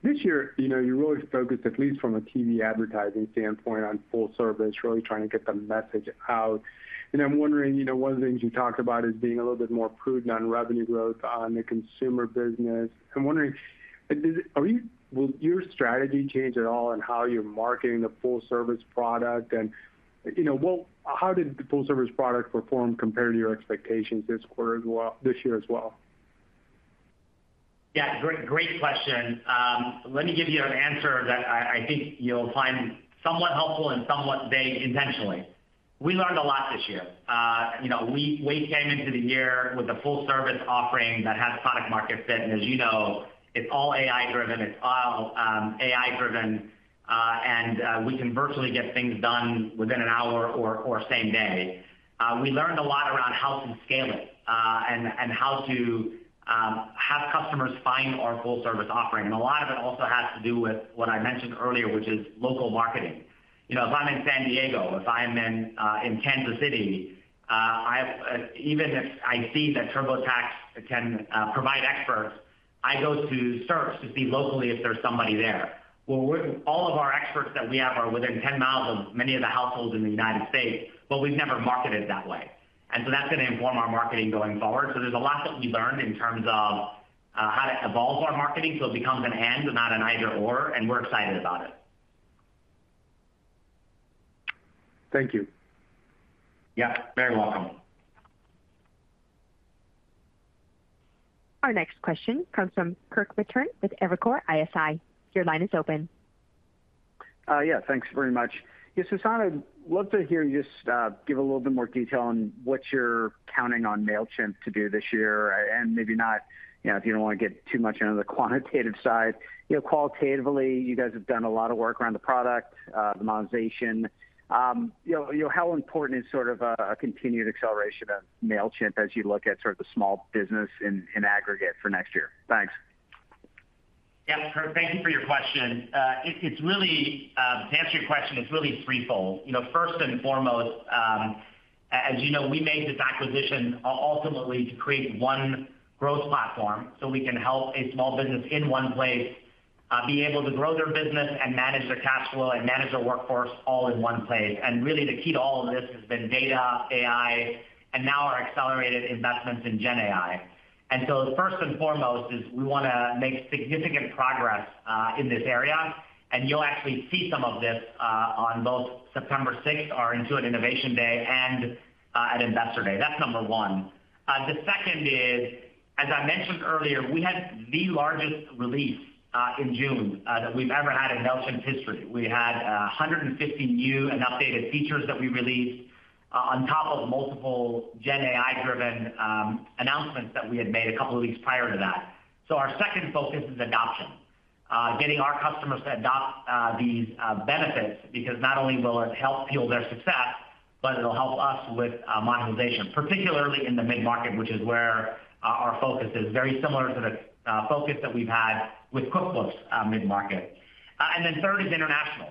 This year, you know, you really focused, at least from a TV advertising standpoint, on Full Service, really trying to get the message out. And I'm wondering, you know, one of the things you talked about is being a little bit more prudent on revenue growth on the Consumer business. I'm wondering, are you-- will your strategy change at all on how you're marketing the Full service product? And, you know, how did the Full Service product perform compared to your expectations this quarter, this year as well? Yeah, great, great question. Let me give you an answer that I think you'll find somewhat helpful and somewhat vague intentionally. We learned a lot this year. You know, we came into the year with a Full Service offering that has product market fit, and as you know, it's all AI driven. It's all AI driven, and we can virtually get things done within an hour or same day. We learned a lot around how to scale it, and how to have customers find our Full Service offering. A lot of it also has to do with what I mentioned earlier, which is local marketing. You know, if I'm in San Diego, if I'm in Kansas City, even if I see that TurboTax can provide experts, I go to search to see locally if there's somebody there. Well, all of our experts that we have are within 10 miles of many of the households in the United States, but we've never marketed that way. And so that's going to inform our marketing going forward. So there's a lot that we learned in terms of how to evolve our marketing, so it becomes an and, not an either/or, and we're excited about it. Thank you. Yeah, very welcome. Our next question comes from Kirk Materne with Evercore ISI. Your line is open. Yeah, thanks very much. Yeah, Sasan, I'd love to hear you just give a little bit more detail on what you're counting on Mailchimp to do this year, and maybe not, you know, if you don't want to get too much into the quantitative side. You know, qualitatively, you guys have done a lot of work around the product, the monetization. You know, how important is sort of a continued acceleration of Mailchimp as you look at sort of the small business in aggregate for next year? Thanks. Yeah, Kirk, thank you for your question. It's really... To answer your question, it's really threefold. You know, first and foremost, as you know, we made this acquisition ultimately to create one growth platform, so we can help a small business in one place, be able to grow their business and manage their cash flow and manage their workforce all in one place. And really, the key to all of this has been data, AI, and now our accelerated investments in GenAI. And so first and foremost, is we wanna make significant progress, in this area, and you'll actually see some of this, on both September sixth, our Intuit Innovation Day and, at Investor Day. That's number one. The second is, as I mentioned earlier, we had the largest release in June that we've ever had in Mailchimp's history. We had 150 new and updated features that we released on top of multiple GenAI-driven announcements that we had made a couple of weeks prior to that. So our second focus is adoption. Getting our customers to adopt these benefits, because not only will it help fuel their success, but it'll help us with monetization, particularly in the mid-market, which is where our focus is, very similar to the focus that we've had with QuickBooks mid-market. Then third is international.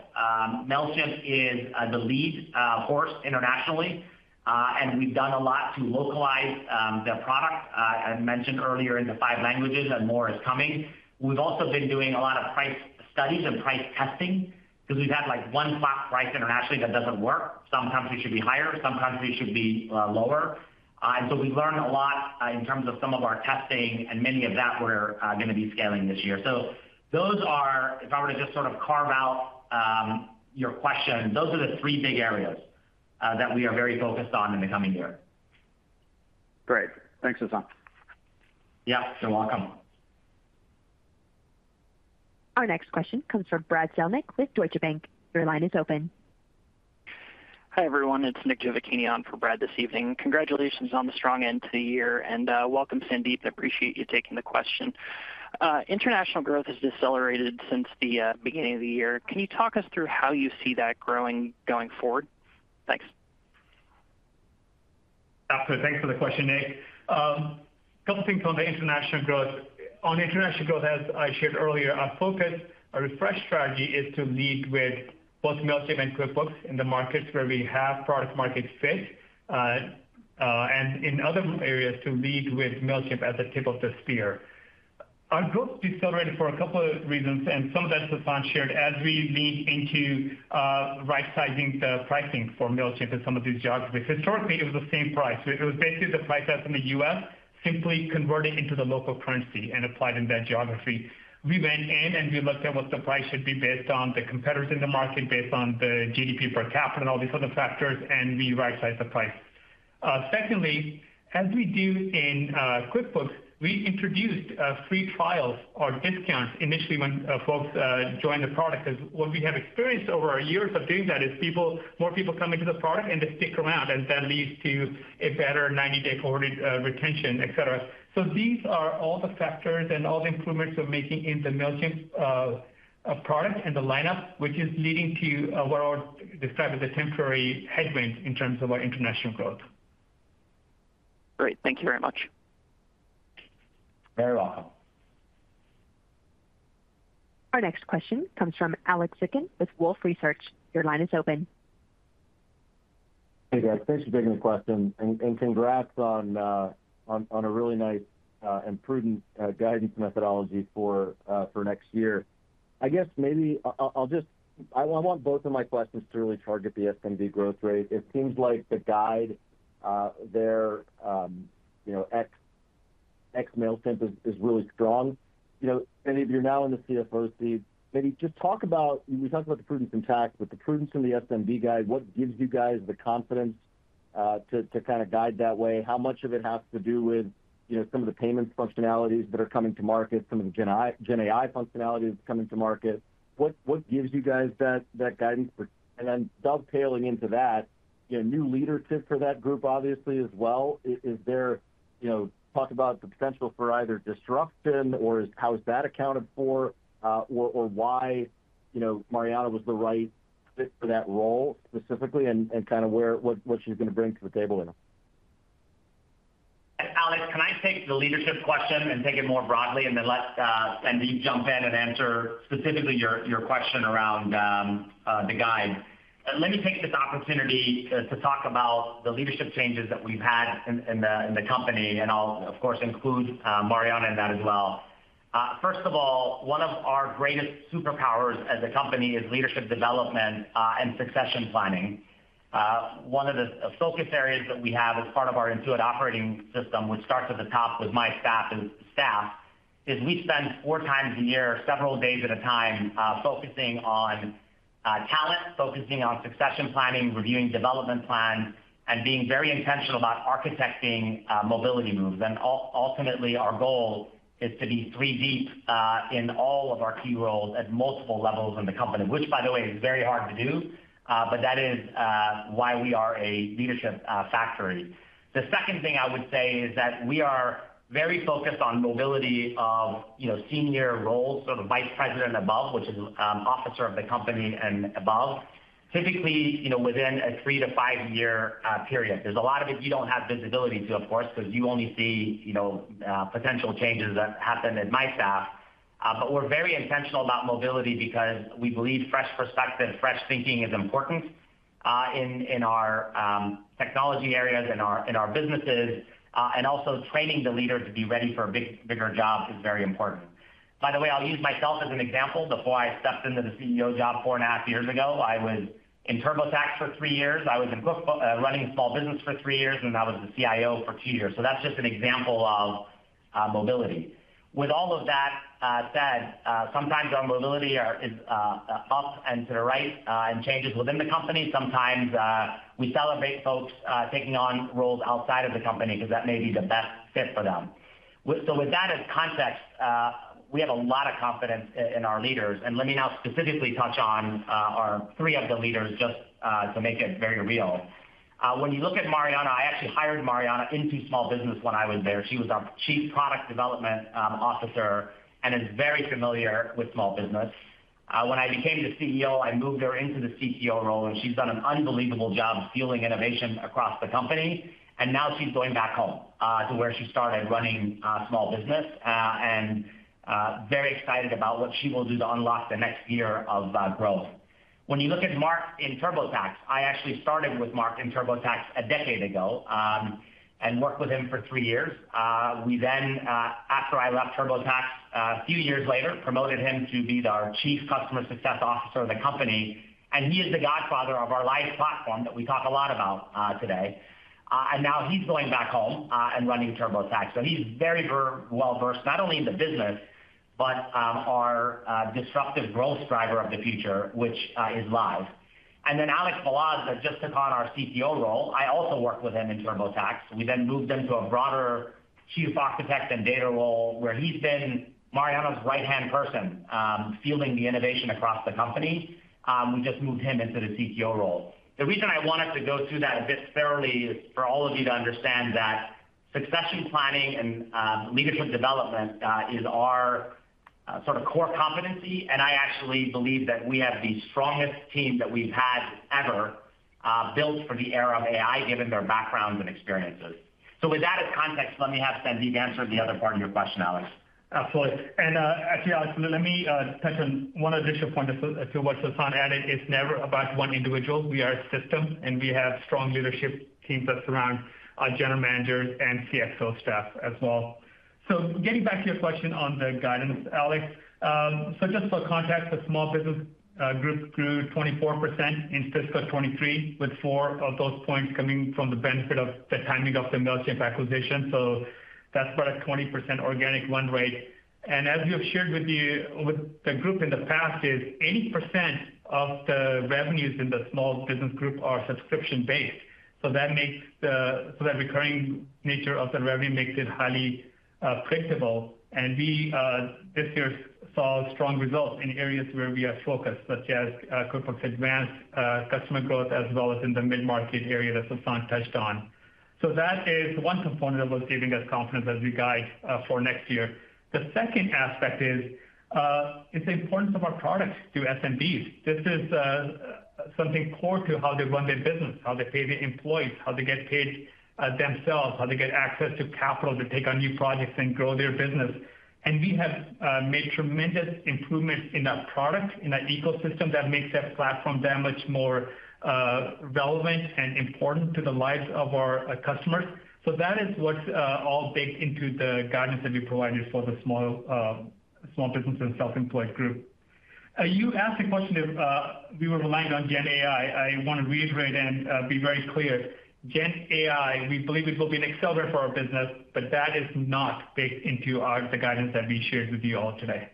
Mailchimp is the lead horse internationally, and we've done a lot to localize the product, as mentioned earlier, into five languages, and more is coming. We've also been doing a lot of price studies and price testing because we've had, like, one flat price internationally that doesn't work. Sometimes we should be higher, sometimes we should be lower. And so we've learned a lot in terms of some of our testing, and many of that we're gonna be scaling this year. So those are. If I were to just sort of carve out your question, those are the three big areas that we are very focused on in the coming year. Great. Thanks, Sasan. Yeah, you're welcome. Our next question comes from Brad Sills with Deutsche Bank. Your line is open. Hi, everyone, it's Nick Giovacchini on for Brad this evening. Congratulations on the strong end to the year, and welcome, Sandeep. I appreciate you taking the question. International growth has decelerated since the beginning of the year. Can you talk us through how you see that growing going forward? Thanks. Absolutely. Thanks for the question, Nick. A couple things on the international growth. On international growth, as I shared earlier, our focus, our refresh strategy is to lead with both Mailchimp and QuickBooks in the markets where we have product market fit, and in other areas to lead with Mailchimp at the tip of the spear. Our growth decelerated for a couple of reasons, and some of that Sasan shared. As we lean into right-sizing the pricing for Mailchimp in some of these geographies. Historically, it was the same price. It was basically the price that's in the U.S., simply converted into the local currency and applied in that geography. We went in, and we looked at what the price should be based on the competitors in the market, based on the GDP per capita and all these other factors, and we right-sized the price. Secondly, as we do in QuickBooks, we introduced free trials or discounts initially when folks joined the product. Because what we have experienced over our years of doing that is people, more people come into the product, and they stick around, and that leads to a better 90-day cohort retention, et cetera. So these are all the factors and all the improvements we're making in the Mailchimp product and the lineup, which is leading to what I'll describe as a temporary headwind in terms of our international growth. Great. Thank you very much. You're very welcome. Our next question comes from Alex Zukin with Wolfe Research. Your line is open. Hey, guys, thanks for taking the question. And congrats on a really nice and prudent guidance methodology for next year. I guess maybe I'll just. I want both of my questions to really target the SMB growth rate. It seems like the guide there, you know, ex Mailchimp is really strong. You know, and if you're now in the CFO seat, maybe just talk about... You talked about the prudence intact, but the prudence in the SMB guide, what gives you guys the confidence to kind of guide that way? How much of it has to do with, you know, some of the payments functionalities that are coming to market, some of the GenAI functionalities coming to market? What, what gives you guys that, that guidance for— And then dovetailing into that, you know, new leadership for that group, obviously, as well. Is there, you know, talk about the potential for either disruption or, how is that accounted for, or, why, you know, Marianna was the right fit for that role specifically, and, and kind of where, what, what she's gonna bring to the table with them? Alex, can I take the leadership question and take it more broadly, and then let Sandeep jump in and answer specifically your, your question around the guide? Let me take this opportunity to talk about the leadership changes that we've had in the company, and I'll, of course, include Marianna in that as well. First of all, one of our greatest superpowers as a company is leadership development and succession planning. One of the focus areas that we have as part of our Intuit Operating System, which starts at the top with my staff is we spend four times a year, several days at a time, focusing on talent, focusing on succession planning, reviewing development plans, and being very intentional about architecting mobility moves. Ultimately, our goal is to be three deep in all of our key roles at multiple levels in the company, which, by the way, is very hard to do, but that is why we are a leadership factory. The second thing I would say is that we are very focused on mobility of, you know, senior roles, so the vice president and above, which is officer of the company and above. Typically, you know, within a three- to five-year period. There's a lot of it you don't have visibility to, of course, because you only see, you know, potential changes that happen in my staff. But we're very intentional about mobility because we believe fresh perspective, fresh thinking is important, in our technology areas, in our businesses, and also training the leader to be ready for a bigger job is very important. By the way, I'll use myself as an example. Before I stepped into the CEO job 4.5 years ago, I was in TurboTax for 3 years. I was in QuickBooks, running small business for three years, and I was the CIO for two years. So that's just an example of mobility. With all of that said, sometimes our mobility is up and to the right and changes within the company. Sometimes we celebrate folks taking on roles outside of the company because that may be the best fit for them. So with that as context, we have a lot of confidence in our leaders, and let me now specifically touch on our three of the leaders, just to make it very real. When you look at Marianna, I actually hired Marianna into small business when I was there. She was our Chief Product Development Officer and is very familiar with small business. When I became the CEO, I moved her into the CTO role, and she's done an unbelievable job fueling innovation across the company, and now she's going back home to where she started running small business, and very excited about what she will do to unlock the next year of growth. When you look at Mark in TurboTax, I actually started with Mark in TurboTax a decade ago, and worked with him for three years. We then, after I left TurboTax, a few years later, promoted him to be our Chief Customer Success Officer of the company, and he is the godfather of our live platform that we talk a lot about today. And now he's going back home, and running TurboTax. So he's very well-versed, not only in the business, but our disruptive growth driver of the future, which is Live. And then Alex Balazs, who just took on our CTO role, I also worked with him in TurboTax. We then moved him to a broader chief architect and data role, where he's been Marianna's right-hand person, fueling the innovation across the company. We just moved him into the CTO role. The reason I wanted to go through that a bit thoroughly is for all of you to understand that succession planning and leadership development is our sort of core competency, and I actually believe that we have the strongest team that we've had ever built for the era of AI, given their backgrounds and experiences. With that as context, let me have Sandeep answer the other part of your question, Alex. Absolutely. Actually, let me touch on one additional point to what Sasan added. It's never about one individual. We are a system, and we have strong leadership teams that surround our general managers and CXO staff as well. So getting back to your question on the guidance, Alex, so just for context, the Small Business Group grew 24% in fiscal 2023, with 4 of those points coming from the benefit of the timing of the Mailchimp acquisition. So that's about a 20% organic run rate. And as we have shared with the group in the past, 80% of the revenues in the Small Business Group are subscription-based. So that makes the... So that recurring nature of the revenue makes it highly predictable. We this year saw strong results in areas where we are focused, such as QuickBooks Advanced, customer growth, as well as in the mid-market area that Sasan touched on. That is one component of what's giving us confidence as we guide for next year. The second aspect is, it's the importance of our products to SMBs. This is something core to how they run their business, how they pay their employees, how they get paid themselves, how they get access to capital to take on new projects and grow their business. We have made tremendous improvements in our product, in our ecosystem, that makes that platform that much more relevant and important to the lives of our customers. So that is what's all baked into the guidance that we provided for the Small Business and Self-Employed Group. You asked a question if we were relying on GenAI. I want to reiterate and be very clear. GenAI, we believe it will be an accelerant for our business, but that is not baked into the guidance that we shared with you all today.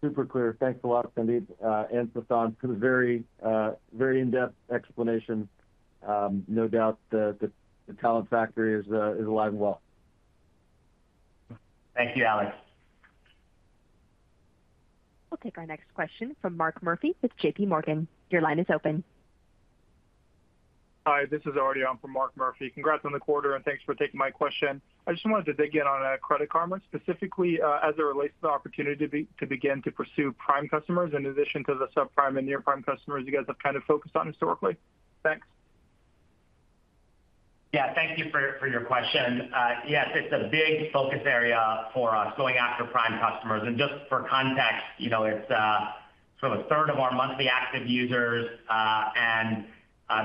Super clear. Thanks a lot, Sandeep, and Sasan, for the very, very in-depth explanation. No doubt the talent factory is alive and well. Thank you, Alex. We'll take our next question from Mark Murphy with JP Morgan. Your line is open. Hi, this is Alex on for Mark Murphy. Congrats on the quarter, and thanks for taking my question. I just wanted to dig in on Credit Karma, specifically, as it relates to the opportunity to begin to pursue prime customers, in addition to the subprime and near-prime customers you guys have kind of focused on historically. Thanks. Yeah, thank you for your question. Yes, it's a big focus area for us, going after prime customers. And just for context, you know, it's sort of a third of our monthly active users, and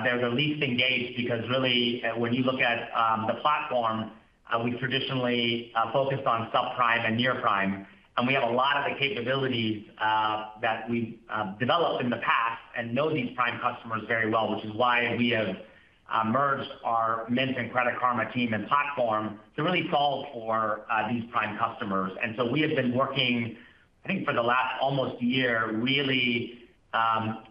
they're the least engaged, because really, when you look at the platform, we traditionally focused on subprime and near-prime. And we have a lot of the capabilities that we've developed in the past and know these prime customers very well, which is why we have merged our Mint and Credit Karma team and platform to really solve for these prime customers. And so we have been working, I think, for the last almost year, really,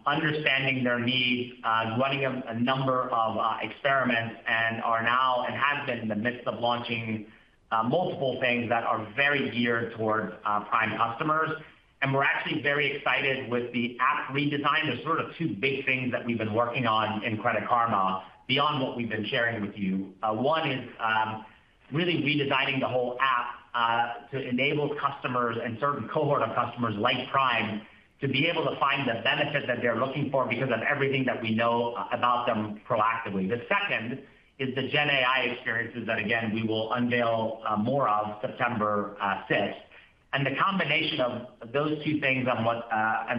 understanding their needs, running a number of experiments, and are now, and have been in the midst of launching multiple things that are very geared toward prime customers. And we're actually very excited with the app redesign. There's sort of two big things that we've been working on in Credit Karma beyond what we've been sharing with you. One is really redesigning the whole app to enable customers and certain cohort of customers like prime, to be able to find the benefit that they're looking for because of everything that we know about them proactively. The second is the GenAI experiences that, again, we will unveil more of September sixth. The combination of those two things and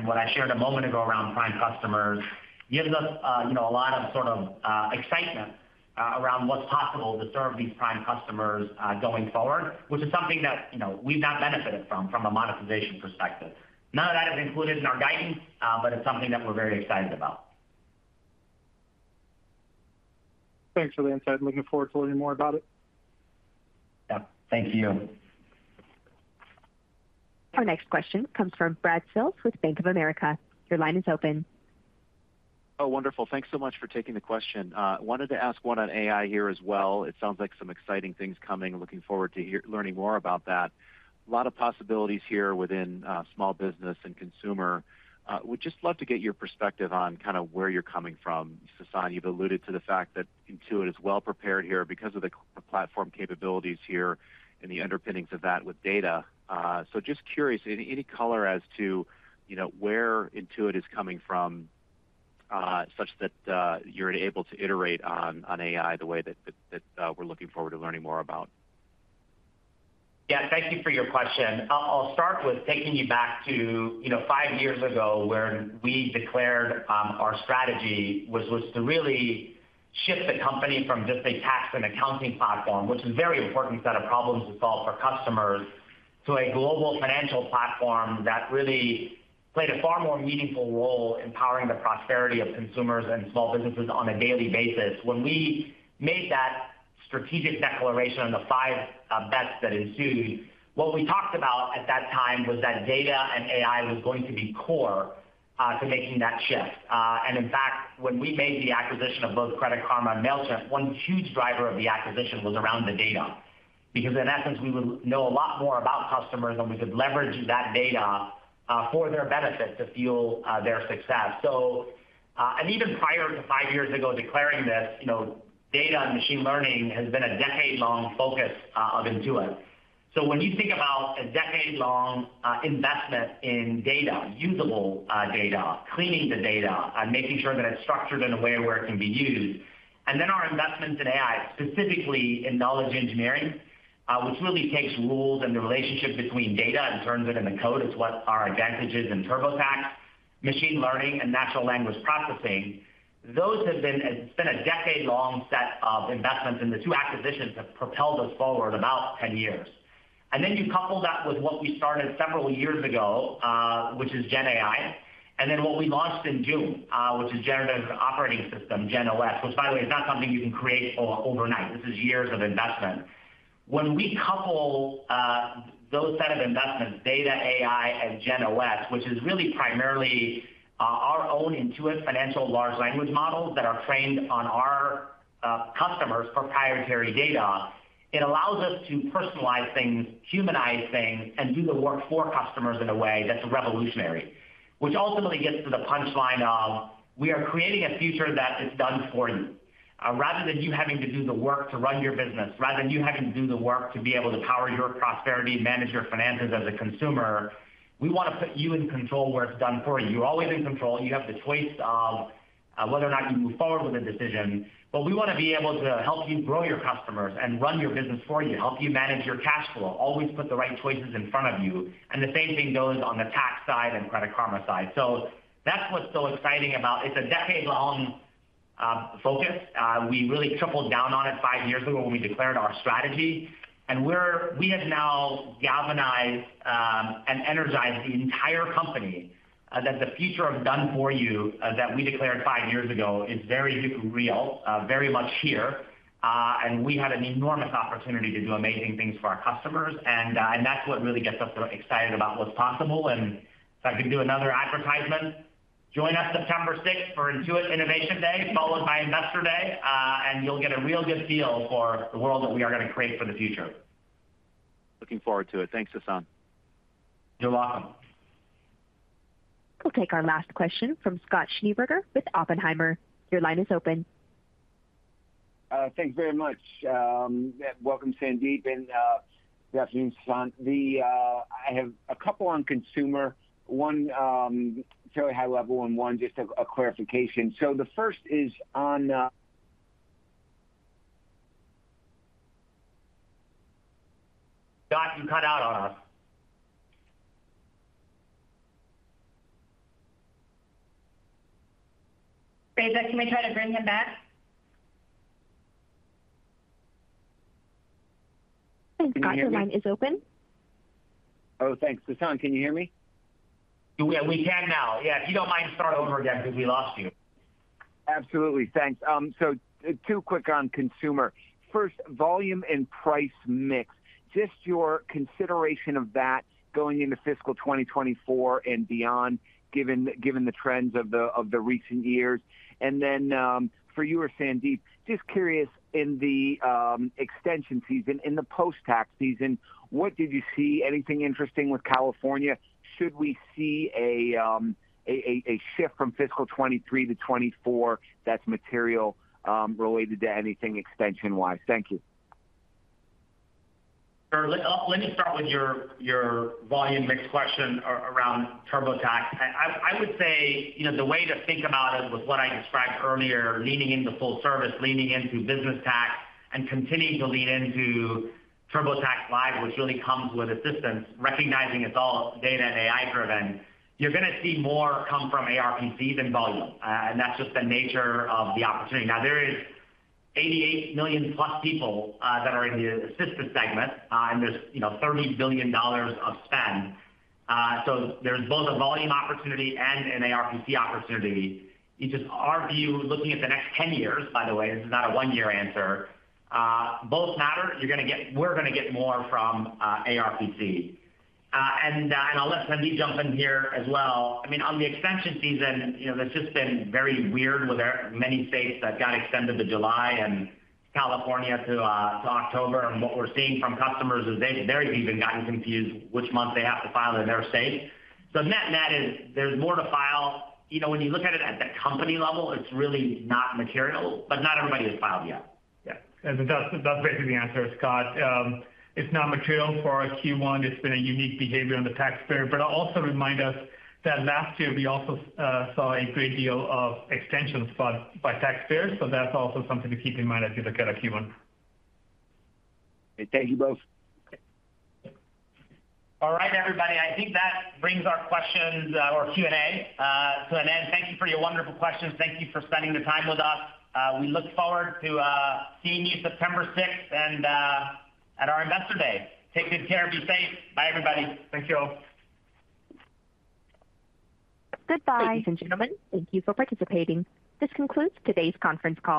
what I shared a moment ago around prime customers gives us, you know, a lot of sort of excitement around what's possible to serve these prime customers going forward, which is something that, you know, we've not benefited from a monetization perspective. None of that is included in our guidance, but it's something that we're very excited about. Thanks for the insight. Looking forward to learning more about it. Yeah. Thank you. Our next question comes from Brad Sills with Bank of America. Your line is open. Oh, wonderful. Thanks so much for taking the question. Wanted to ask one on AI here as well. It sounds like some exciting things coming. Looking forward to learning more about that. A lot of possibilities here within small business and consumer. Would just love to get your perspective on kind of where you're coming from. Sasan, you've alluded to the fact that Intuit is well prepared here because of the platform capabilities here and the underpinnings of that with data. So just curious, any color as to, you know, where Intuit is coming from such that you're able to iterate on AI the way that we're looking forward to learning more about? Yeah, thank you for your question. I'll, I'll start with taking you back to, you know, five years ago, where we declared our strategy, which was to really shift the company from just a tax and accounting platform, which is a very important set of problems to solve for customers, to a global financial platform that really played a far more meaningful role in powering the prosperity of consumers and small businesses on a daily basis. When we made that strategic declaration on the five bets at Intuit, what we talked about at that time was that data and AI was going to be core to making that shift. And in fact, when we made the acquisition of both Credit Karma and Mailchimp, one huge driver of the acquisition was around the data, because in essence, we would know a lot more about customers, and we could leverage that data for their benefit to fuel their success. So, and even prior to five years ago, declaring this, you know, data and machine learning has been a decade-long focus of Intuit. So when you think about a decade-long investment in data, usable data, cleaning the data and making sure that it's structured in a way where it can be used, and then our investments in AI, specifically in knowledge engineering, which really takes rules and the relationship between data and turns it into code, is what our advantage is in TurboTax. Machine learning and natural language processing, those have been—it's been a decade-long set of investments, and the two acquisitions have propelled us forward about 10 years. And then you couple that with what we started several years ago, which is Gen AI, and then what we launched in June, which is Generative Operating System, GenOS, which, by the way, is not something you can create overnight. This is years of investment. When we couple those set of investments, data, AI, and GenOS, which is really primarily our own Intuit financial large language models that are trained on our customers' proprietary data, it allows us to personalize things, humanize things, and do the work for customers in a way that's revolutionary. Which ultimately gets to the punchline of: We are creating a future that is done for you. Rather than you having to do the work to run your business, rather than you having to do the work to be able to power your prosperity, manage your finances as a consumer, we want to put you in control where it's done for you. You're always in control. You have the choice of whether or not you move forward with a decision, but we want to be able to help you grow your customers and run your business for you, help you manage your cash flow, always put the right choices in front of you. And the same thing goes on the tax side and Credit Karma side. So that's what's so exciting about... It's a decade-long focus. We really tripled down on it five years ago when we declared our strategy, and we have now galvanized and energized the entire company that the future of done for you that we declared five years ago is very real, very much here. And we had an enormous opportunity to do amazing things for our customers, and that's what really gets us so excited about what's possible. And if I can do another advertisement, join us September sixth for Intuit Innovation Day, followed by Investor Day, and you'll get a real good feel for the world that we are gonna create for the future. Looking forward to it. Thanks, Sasan. You're welcome. We'll take our last question from Scott Schneeberger with Oppenheimer. Your line is open. Thank you very much. Welcome, Sandeep, and good afternoon, Sasan. I have a couple on consumer. One fairly high level, and one just a clarification. So the first is on Scott, you cut out on us. Rebekah, can we try to bring him back?... Scott, your line is open. Oh, thanks. Sasan, can you hear me? We can now. Yeah, if you don't mind, start over again because we lost you. Absolutely. Thanks. So two quick on consumer. First, volume and price mix, just your consideration of that going into fiscal 2024 and beyond, given the trends of the recent years. And then, for you or Sandeep, just curious, in the extension season, in the post-tax season, what did you see? Anything interesting with California? Should we see a shift from fiscal 2023 to 2024 that's material, related to anything extension-wise? Thank you. Sure. Let me start with your volume mix question around TurboTax. I would say, you know, the way to think about it was what I described earlier, leaning into full service, leaning into business tax, and continuing to lean into TurboTax Live, which really comes with assistance, recognizing it's all data and AI-driven. You're gonna see more come from ARPC than volume, and that's just the nature of the opportunity. Now, there is 88 million-plus people that are in the assisted segment, and there's, you know, $30 billion of spend. So there's both a volume opportunity and an ARPC opportunity. It's just our view, looking at the next 10 years, by the way, this is not a one-year answer, both matter. You're gonna get—We're gonna get more from ARPC. And I'll let Sandeep jump in here as well. I mean, on the extension season, you know, it's just been very weird with our many states that got extended to July and California to October. And what we're seeing from customers is they've even gotten confused which month they have to file in their state. So net-net is there's more to file. You know, when you look at it at the company level, it's really not material, but not everybody has filed yet. Yeah, and that's, that's basically the answer, Scott. It's not material for our Q1. It's been a unique behavior on the taxpayer, but I'll also remind us that last year, we also saw a great deal of extensions filed by taxpayers, so that's also something to keep in mind as you look at our Q1. Okay. Thank you both. All right, everybody. I think that brings our questions, our Q&A, to an end. Thank you for your wonderful questions. Thank you for spending the time with us. We look forward to seeing you September sixth, and at our Investor Day. Take good care. Be safe. Bye, everybody. Thank you all. Goodbye. Ladies and gentlemen, thank you for participating. This concludes today's conference call.